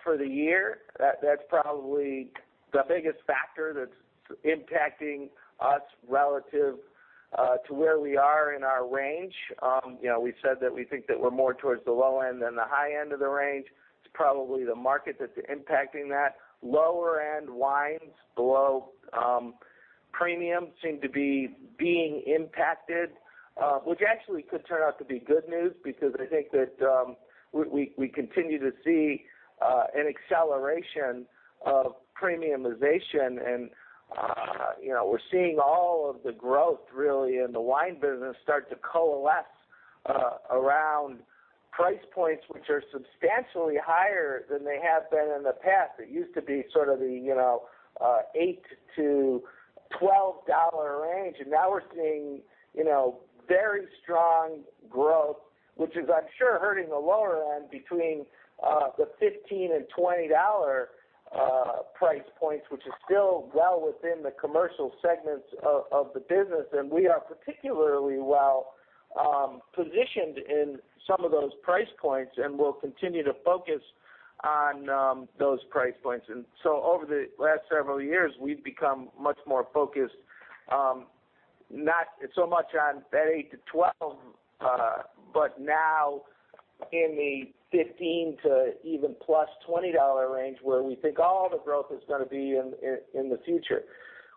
for the year. That's probably the biggest factor that's impacting us relative to where we are in our range. We've said that we think that we're more towards the low end than the high end of the range. It's probably the market that's impacting that. Lower-end wines below premium seem to be being impacted, which actually could turn out to be good news, because I think that we continue to see an acceleration of premiumization, and we're seeing all of the growth really in the wine business start to coalesce around price points which are substantially higher than they have been in the past. It used to be sort of the $8-$12 range, and now we're seeing very strong growth, which is I'm sure hurting the lower end between the $15-$20 price points, which is still well within the commercial segments of the business. We are particularly well positioned in some of those price points, and we'll continue to focus on those price points. Over the last several years, we've become much more focused, not so much on that $8-$12, but now in the $15 to even +$20 range where we think all the growth is going to be in the future.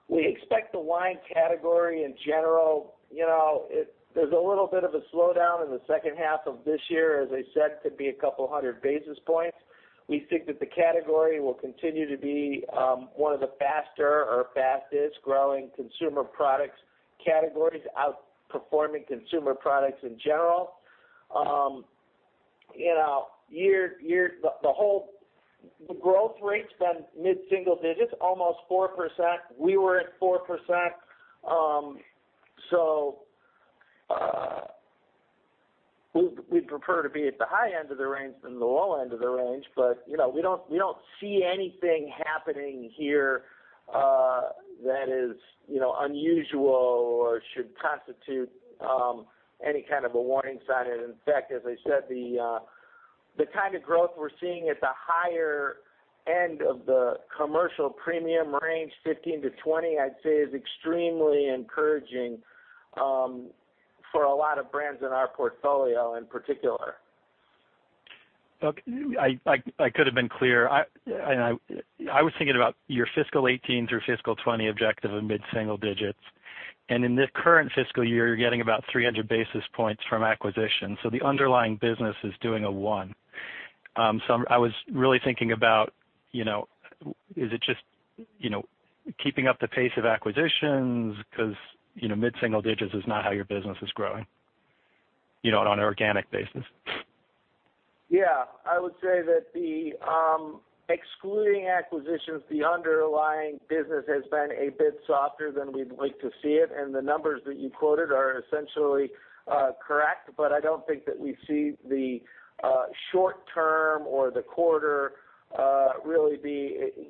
We expect the wine category in general, there's a little bit of a slowdown in the second half of this year, as I said, could be a couple of 100 basis points. We think that the category will continue to be one of the faster or fastest-growing consumer products categories, outperforming consumer products in general. The growth rate's been mid-single digits, almost 4%. We were at 4%. We'd prefer to be at the high end of the range than the low end of the range. We don't see anything happening here that is unusual or should constitute any kind of a warning sign. In fact, as I said, the kind of growth we're seeing at the higher end of the commercial premium range, $15-$20, I'd say is extremely encouraging for a lot of brands in our portfolio in particular. Okay. I could have been clear. I was thinking about your fiscal 2018 through fiscal 2020 objective of mid-single digits. In this current fiscal year, you are getting about 300 basis points from acquisition. The underlying business is doing a one. I was really thinking about, is it just keeping up the pace of acquisitions because mid-single digits is not how your business is growing on an organic basis. Yeah, I would say that excluding acquisitions, the underlying business has been a bit softer than we'd like to see it, and the numbers that you quoted are essentially correct. I don't think that we see the short term or the quarter really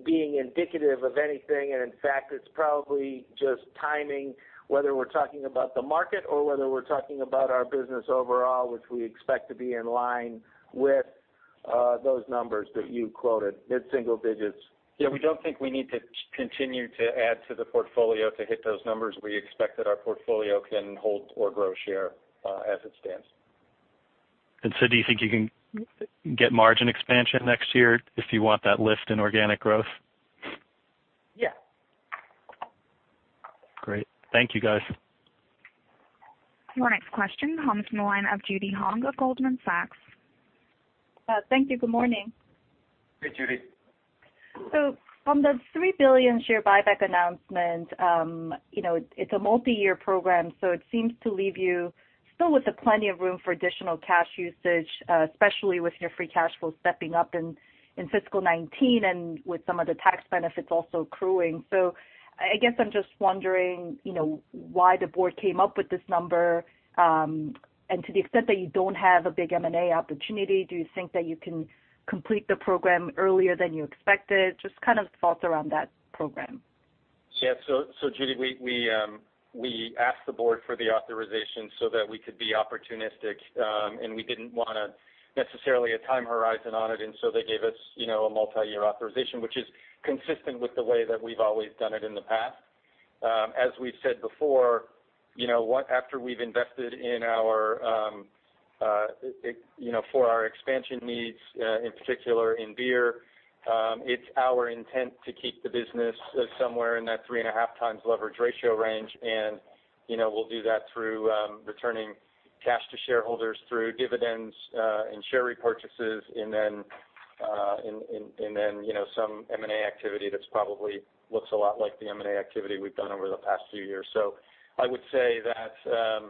being indicative of anything. In fact, it's probably just timing, whether we're talking about the market or whether we're talking about our business overall, which we expect to be in line with those numbers that you quoted, mid-single digits. Yeah, we don't think we need to continue to add to the portfolio to hit those numbers. We expect that our portfolio can hold or grow share as it stands. Do you think you can get margin expansion next year if you want that lift in organic growth? Yes. Great. Thank you, guys. Your next question comes from the line of Judy Hong of Goldman Sachs. Thank you. Good morning. Hey, Judy. From the $3 billion share buyback announcement, it's a multi-year program. It seems to leave you still with plenty of room for additional cash usage, especially with your free cash flow stepping up in fiscal 2019 and with some of the tax benefits also accruing. I guess I'm just wondering why the board came up with this number. To the extent that you don't have a big M&A opportunity, do you think that you can complete the program earlier than you expected? Just kind of thoughts around that program. Yeah, Judy, we asked the board for the authorization so that we could be opportunistic, and we didn't want necessarily a time horizon on it. They gave us a multi-year authorization, which is consistent with the way that we've always done it in the past. As we've said before, after we've invested for our expansion needs, in particular in beer, it's our intent to keep the business somewhere in that 3.5x leverage ratio range. We'll do that through returning cash to shareholders through dividends and share repurchases, and then some M&A activity that probably looks a lot like the M&A activity we've done over the past few years. I would say that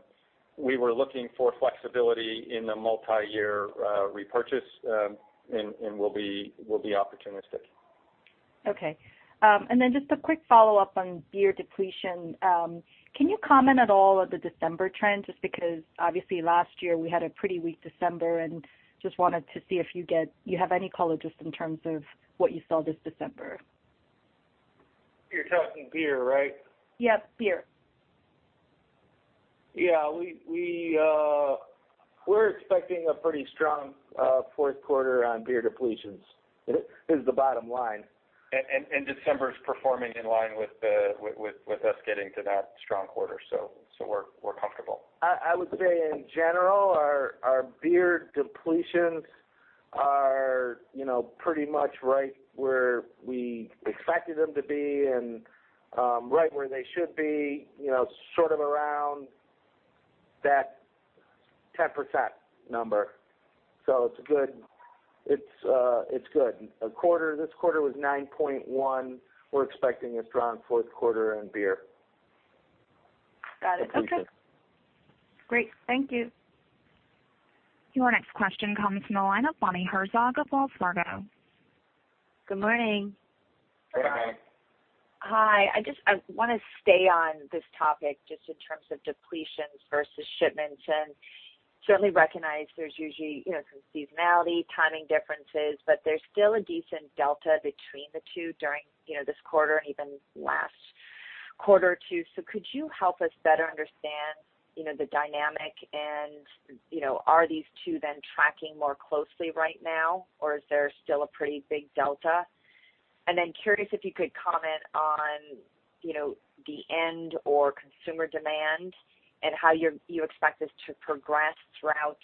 we were looking for flexibility in the multi-year repurchase, and we'll be opportunistic. Okay. Just a quick follow-up on beer depletion. Can you comment at all on the December trend? Because obviously last year we had a pretty weak December, and we just wanted to see if you have any color just in terms of what you saw this December. You're talking beer, right? Yes, beer. Yeah. We're expecting a pretty strong fourth quarter on beer depletions, is the bottom line. December's performing in line with us getting to that strong quarter. We're comfortable. I would say in general, our beer depletions are pretty much right where we expected them to be and right where they should be, sort of around that 10% number. It's good. This quarter was 9.1. We're expecting a strong fourth quarter in beer depletion. Got it. Okay. Great. Thank you. Your next question comes from the line of Bonnie Herzog of Wells Fargo. Good morning. Hey, Bonnie. Hi. I want to stay on this topic just in terms of depletions versus shipments, and certainly recognize there's usually some seasonality, timing differences, but there's still a decent delta between the two during this quarter and even last quarter too. Could you help us better understand the dynamic, and are these two tracking more closely right now, or is there still a pretty big delta? Curious if you could comment on the end or consumer demand and how you expect this to progress throughout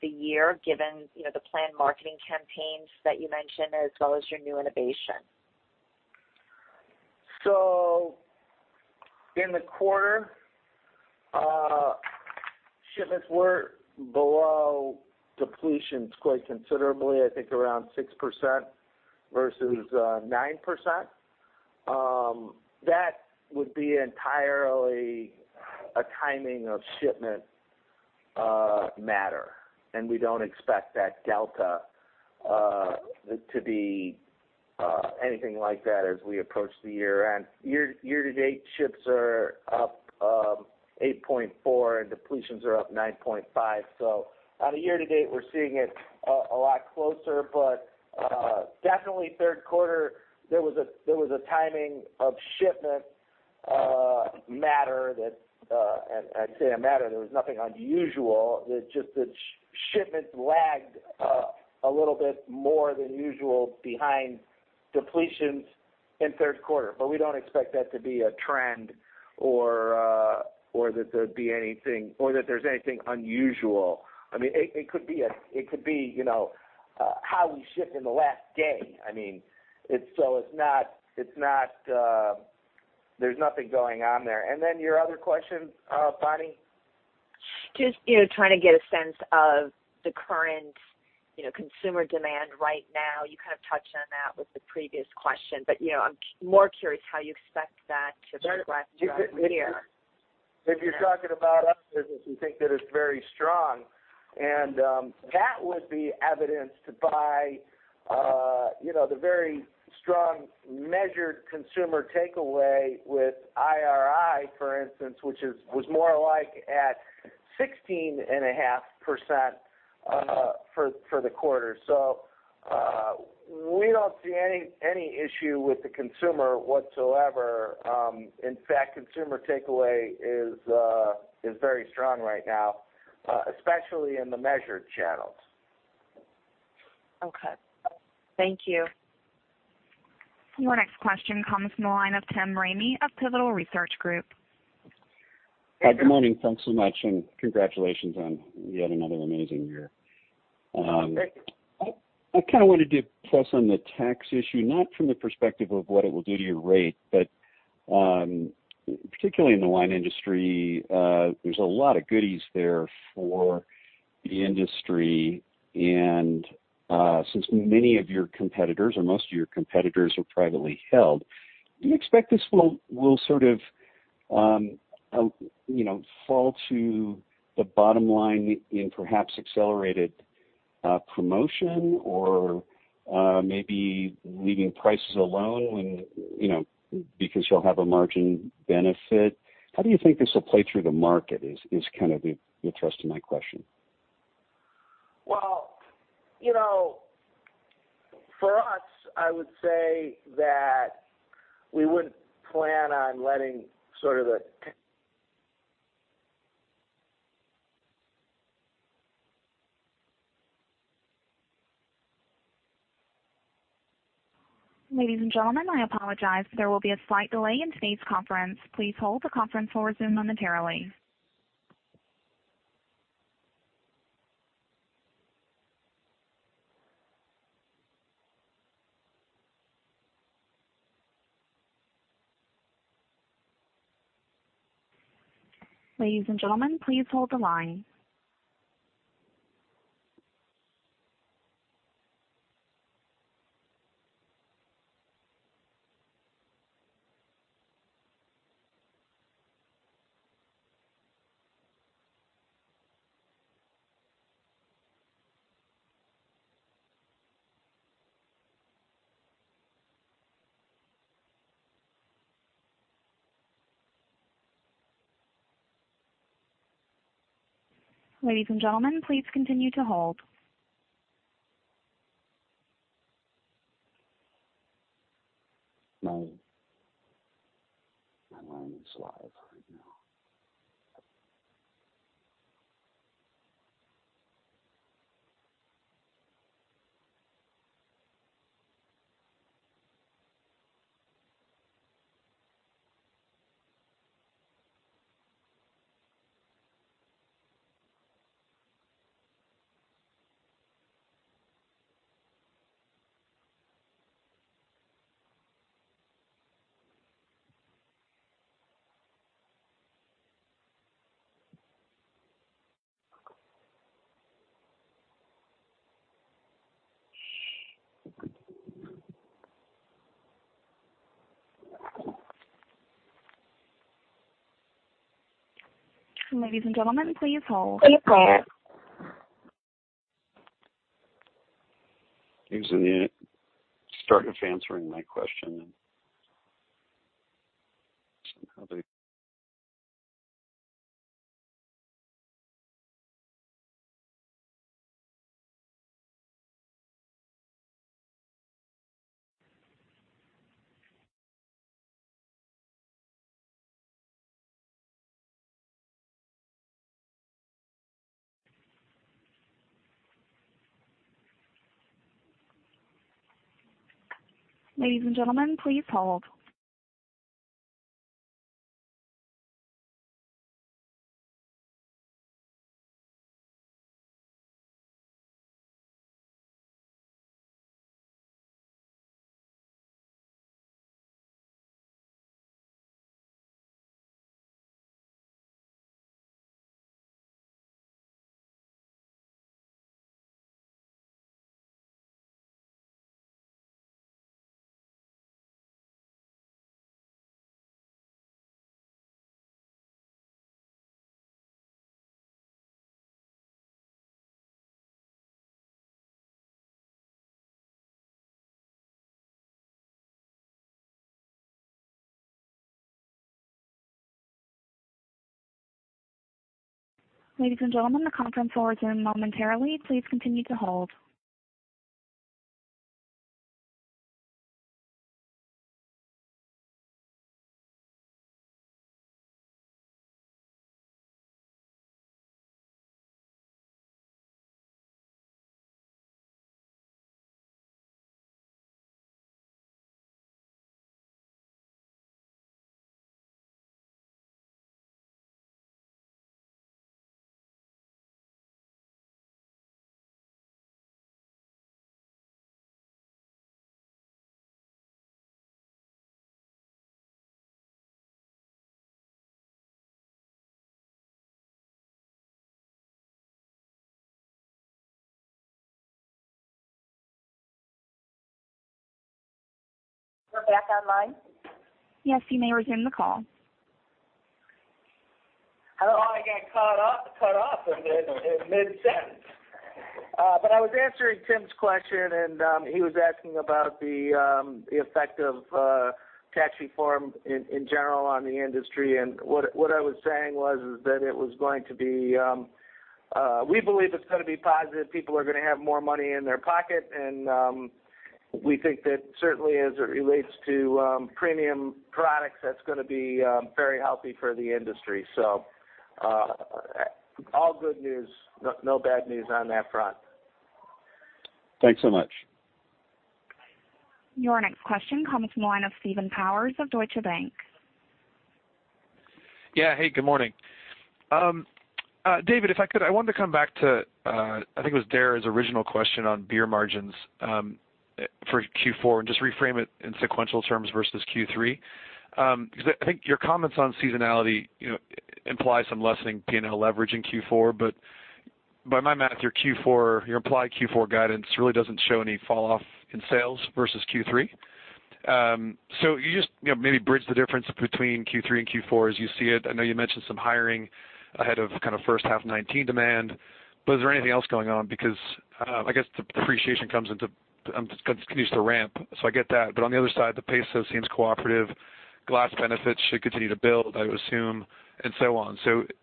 the year, given the planned marketing campaigns that you mentioned, as well as your new innovation. In the quarter, shipments were below depletions quite considerably, I think around 6% versus 9%. That would be entirely a timing of shipment matter, and we don't expect that delta to be anything like that as we approach the year-end. Year to date, ships are up 8.4, and depletions are up 9.5. On a year to date, we're seeing it a lot closer, but definitely third quarter, there was a timing of shipment matter. There was nothing unusual. It's just that shipments lagged a little bit more than usual behind depletions in the third quarter. We don't expect that to be a trend or that there's anything unusual. I mean, it could be how we ship in the last day. There's nothing going on there. Your other question, Bonnie? Just trying to get a sense of the current consumer demand right now. You kind of touched on that with the previous question. I'm more curious how you expect that to progress throughout the year. If you're talking about our business, we think that it's very strong, and that would be evidenced by the very strong measured consumer takeaway with IRI, for instance, which was more like at 16.5% for the quarter. We don't see any issue with the consumer whatsoever. In fact, consumer takeaway is very strong right now, especially in the measured channels. Okay. Thank you. Your next question comes from the line of Tim Ramey of Pivotal Research Group. Good morning. Thanks so much. Congratulations on yet another amazing year. Great. I kind of wanted to press on the tax issue, not from the perspective of what it will do to your rate, but particularly in the wine industry, there's a lot of goodies there for the industry, and since many of your competitors, or most of your competitors, are privately held, do you expect this will sort of fall to the bottom line in perhaps accelerated promotion or maybe leaving prices alone because you'll have a margin benefit? How do you think this will play through the market is kind of the thrust of my question. Well, for us, I would say that we wouldn't plan on letting sort of the Ladies and gentlemen, I apologize. There will be a slight delay in today's conference. Please hold, the conference will resume momentarily. Ladies and gentlemen, please hold the line. Ladies and gentlemen, please continue to hold. My line is live right now. Ladies and gentlemen, please hold. Please hold. He was in the start of answering my question somehow they Ladies and gentlemen, please hold. Ladies and gentlemen, the conference will resume momentarily. Please continue to hold. We're back online? Yes, you may resume the call. Oh, I got cut off in mid-sentence. I was answering Tim's question, he was asking about the effect of tax reform in general on the industry. What I was saying was is that we believe it's going to be positive. People are going to have more money in their pocket, and we think that certainly as it relates to premium products, that's going to be very healthy for the industry. All good news. No bad news on that front. Thanks so much. Your next question comes from the line of Steve Powers of Deutsche Bank. Yeah. Hey, good morning. David, if I could, I wanted to come back to, I think it was Dara's original question on beer margins for Q4, and just reframe it in sequential terms versus Q3. I think your comments on seasonality imply some lessening P&L leverage in Q4, but by my math, your implied Q4 guidance really doesn't show any fall-off in sales versus Q3. Can you just maybe bridge the difference between Q3 and Q4 as you see it? I know you mentioned some hiring ahead of first half 2019 demand, but is there anything else going on? I guess depreciation continues to ramp, so I get that, but on the other side, the peso seems cooperative. Glass benefits should continue to build, I would assume, and so on.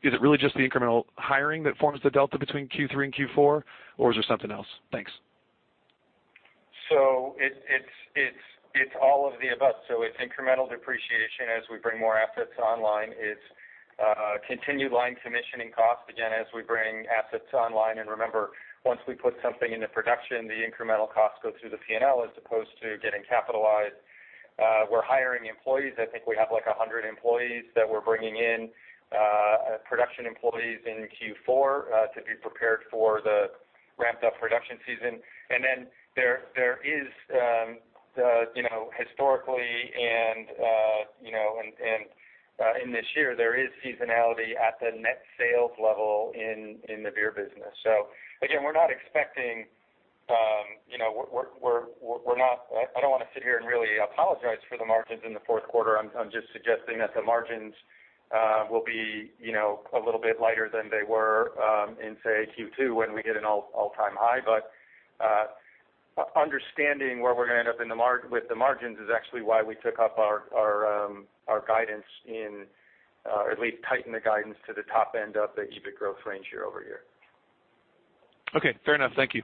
Is it really just the incremental hiring that forms the delta between Q3 and Q4, or is there something else? Thanks. It's all of the above. It's incremental depreciation as we bring more assets online. It's continued line commissioning costs, again, as we bring assets online. Remember, once we put something into production, the incremental costs go through the P&L as opposed to getting capitalized. We're hiring employees. I think we have 100 employees that we're bringing in, production employees in Q4 to be prepared for the ramped-up production season. There is historically, and in this year, there is seasonality at the net sales level in the beer business. Again, I don't want to sit here and really apologize for the margins in the fourth quarter. I'm just suggesting that the margins will be a little bit lighter than they were in, say, Q2 when we hit an all-time high. Understanding where we're going to end up with the margins is actually why we took up our guidance in, or at least tightened the guidance to the top end of the EBIT growth range year-over-year. Okay. Fair enough. Thank you.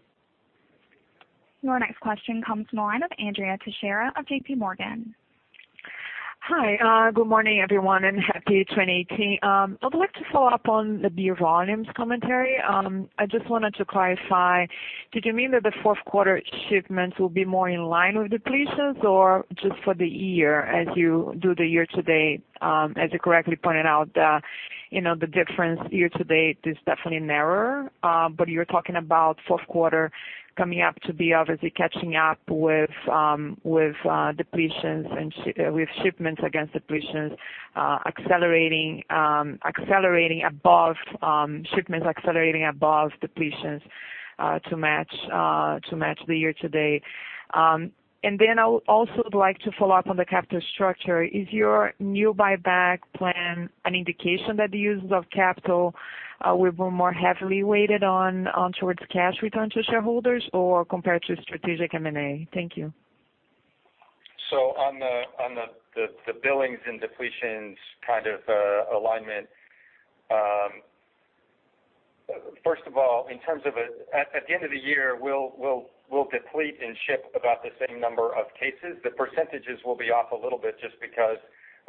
Your next question comes from the line of Andrea Teixeira of JPMorgan. Hi, good morning, everyone, and happy 2018. I would like to follow up on the beer volumes commentary. I just wanted to clarify, did you mean that the fourth quarter shipments will be more in line with depletions, or just for the year as you do the year to date? As you correctly pointed out, the difference year to date is definitely narrower. You're talking about fourth quarter coming up to be obviously catching up with shipments against depletions, accelerating above shipments, accelerating above depletions to match the year to date. I also would like to follow up on the capital structure. Is your new buyback plan an indication that the uses of capital will be more heavily weighted on towards cash return to shareholders, or compared to strategic M&A? Thank you. On the billings and depletions kind of alignment, first of all, at the end of the year, we'll deplete and ship about the same number of cases. The percentages will be off a little bit just because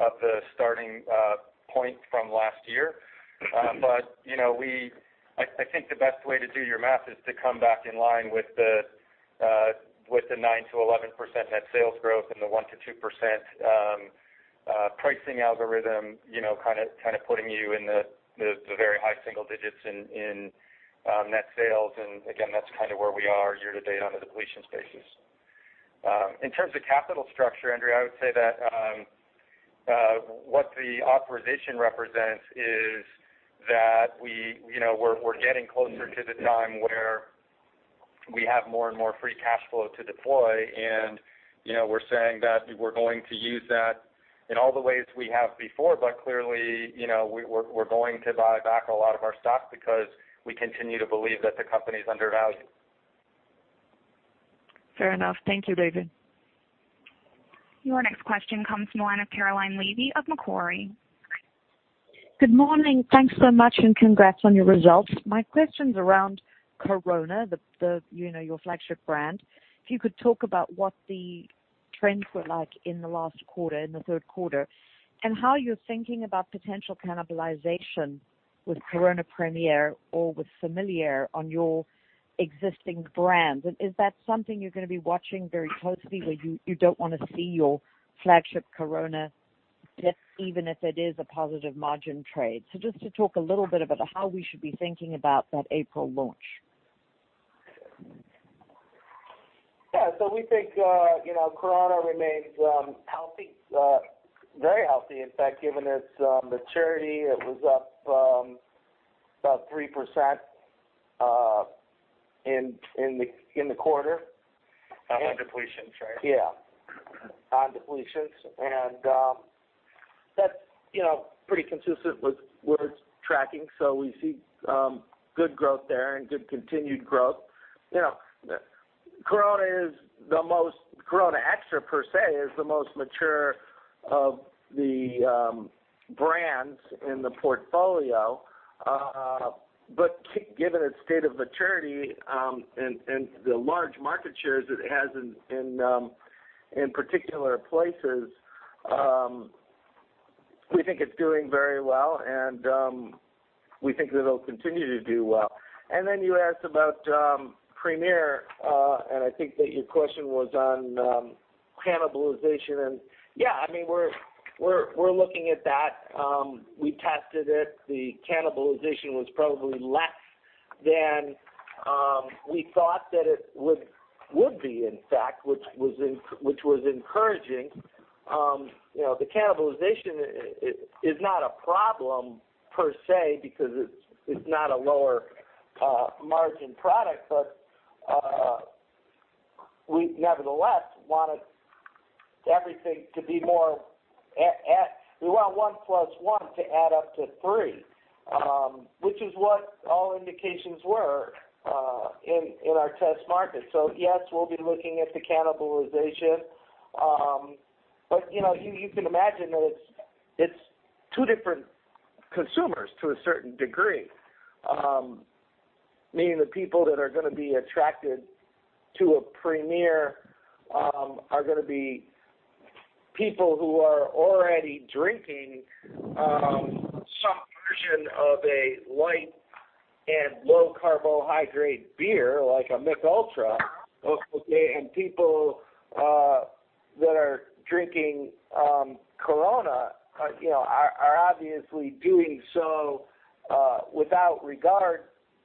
of the starting point from last year. I think the best way to do your math is to come back in line with the 9%-11% net sales growth and the 1%-2% pricing algorithm, kind of putting you in the very high single digits in net sales. Again, that's kind of where we are year to date on a depletions basis. In terms of capital structure, Andrea, I would say that what the authorization represents is that we're getting closer to the time where we have more and more free cash flow to deploy. We're saying that we're going to use that in all the ways we have before, but clearly, we're going to buy back a lot of our stock because we continue to believe that the company is undervalued. Fair enough. Thank you, David. Your next question comes from the line of Caroline Levy of Macquarie. Good morning. Thanks so much and congrats on your results. My question's around Corona, your flagship brand. If you could talk about what the trends were like in the last quarter, in the third quarter, and how you're thinking about potential cannibalization with Corona Premier or with Familiar on your existing brands. Is that something you're going to be watching very closely where you don't want to see your flagship Corona dip, even if it is a positive margin trade? Just to talk a little bit about how we should be thinking about that April launch. Yeah. We think Corona remains healthy, very healthy, in fact, given its maturity. It was up about 3% in the quarter. On depletions, right? Yeah. On depletions. That's pretty consistent with what it's tracking. We see good growth there and good continued growth. Corona Extra, per se, is the most mature of the brands in the portfolio. Given its state of maturity, and the large market shares it has in particular places, we think it's doing very well, and we think that it'll continue to do well. Then you asked about Premier, I think that your question was on cannibalization. Yeah, we're looking at that. We tested it. The cannibalization was probably less than we thought that it would be, in fact, which was encouraging. The cannibalization is not a problem, per se, because it's not a lower margin product, we nevertheless wanted everything to be more-- We want one plus one to add up to three, which is what all indications were in our test market. Yes, we'll be looking at the cannibalization. You can imagine that it's two different consumers to a certain degree. Meaning the people that are going to be attracted to a Premier are going to be people who are already drinking some version of a light and low carbohydrate beer, like a Michelob Ultra. Okay? People that are drinking Corona are obviously doing so without regard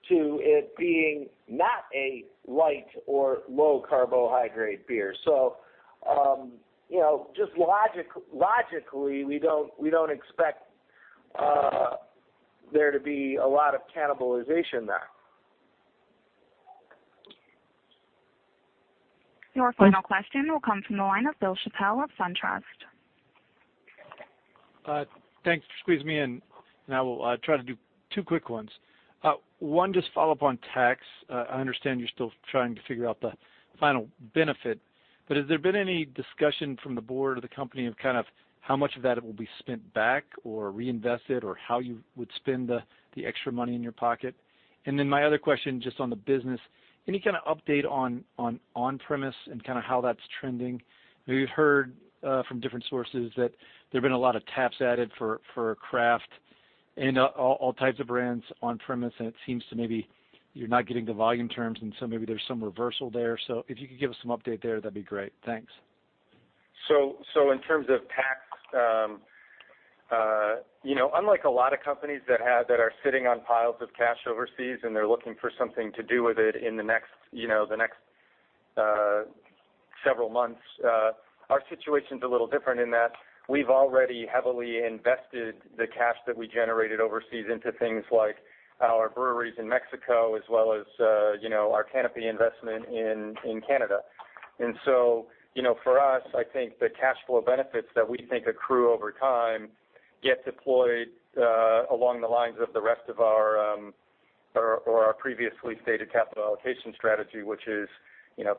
to it being not a light or low carbohydrate beer. Just logically, we don't expect there to be a lot of cannibalization there. Your final question will come from the line of Bill Chappell of SunTrust. Thanks for squeezing me in. I will try to do two quick ones. One, just follow up on tax. Has there been any discussion from the board or the company of kind of how much of that will be spent back or reinvested, or how you would spend the extra money in your pocket? My other question, just on the business, any kind of update on on-premise and kind of how that's trending? We've heard from different sources that there've been a lot of taps added for craft and all types of brands on-premise, and it seems to maybe you're not getting the volume terms. Maybe there's some reversal there. If you could give us some update there, that'd be great. Thanks. In terms of tax, unlike a lot of companies that are sitting on piles of cash overseas and they're looking for something to do with it in the next several months, our situation's a little different in that we've already heavily invested the cash that we generated overseas into things like our breweries in Mexico as well as our Canopy investment in Canada. For us, I think the cash flow benefits that we think accrue over time get deployed along the lines of the rest of our previously stated capital allocation strategy, which is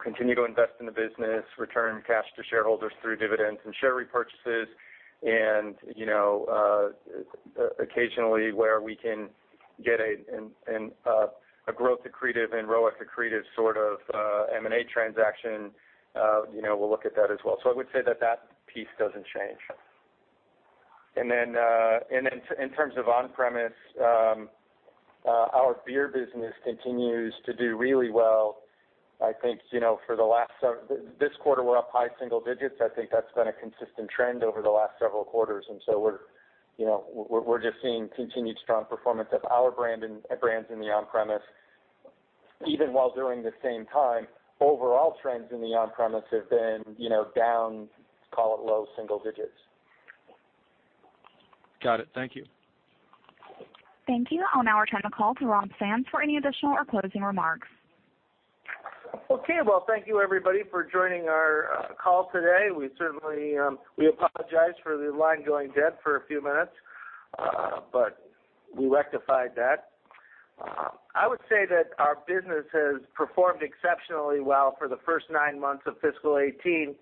continue to invest in the business, return cash to shareholders through dividends and share repurchases, and occasionally where we can get a growth accretive and ROIC accretive sort of M&A transaction, we'll look at that as well. I would say that that piece doesn't change. In terms of on-premise, our beer business continues to do really well. I think this quarter we're up high single digits. I think that's been a consistent trend over the last several quarters. We're just seeing continued strong performance of our brands in the on-premise, even while during the same time, overall trends in the on-premise have been down, call it low single digits. Got it. Thank you. Thank you. I'll now return the call to Rob Sands for any additional or closing remarks. Well, thank you everybody for joining our call today. We apologize for the line going dead for a few minutes, but we rectified that. I would say that our business has performed exceptionally well for the first nine months of fiscal 2018,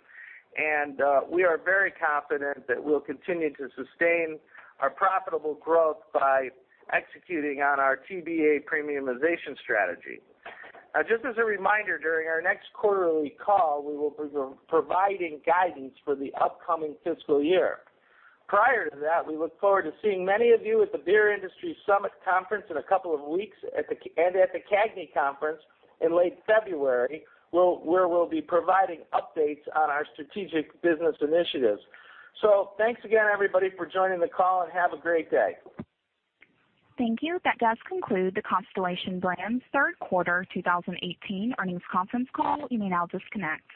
and we are very confident that we'll continue to sustain our profitable growth by executing on our TBA premiumization strategy. Just as a reminder, during our next quarterly call, we will be providing guidance for the upcoming fiscal year. Prior to that, we look forward to seeing many of you at the Beer Industry Summit Conference in a couple of weeks and at the CAGNY Conference in late February, where we'll be providing updates on our strategic business initiatives. Thanks again, everybody, for joining the call, and have a great day. Thank you. That does conclude the Constellation Brands third quarter 2018 earnings conference call. You may now disconnect.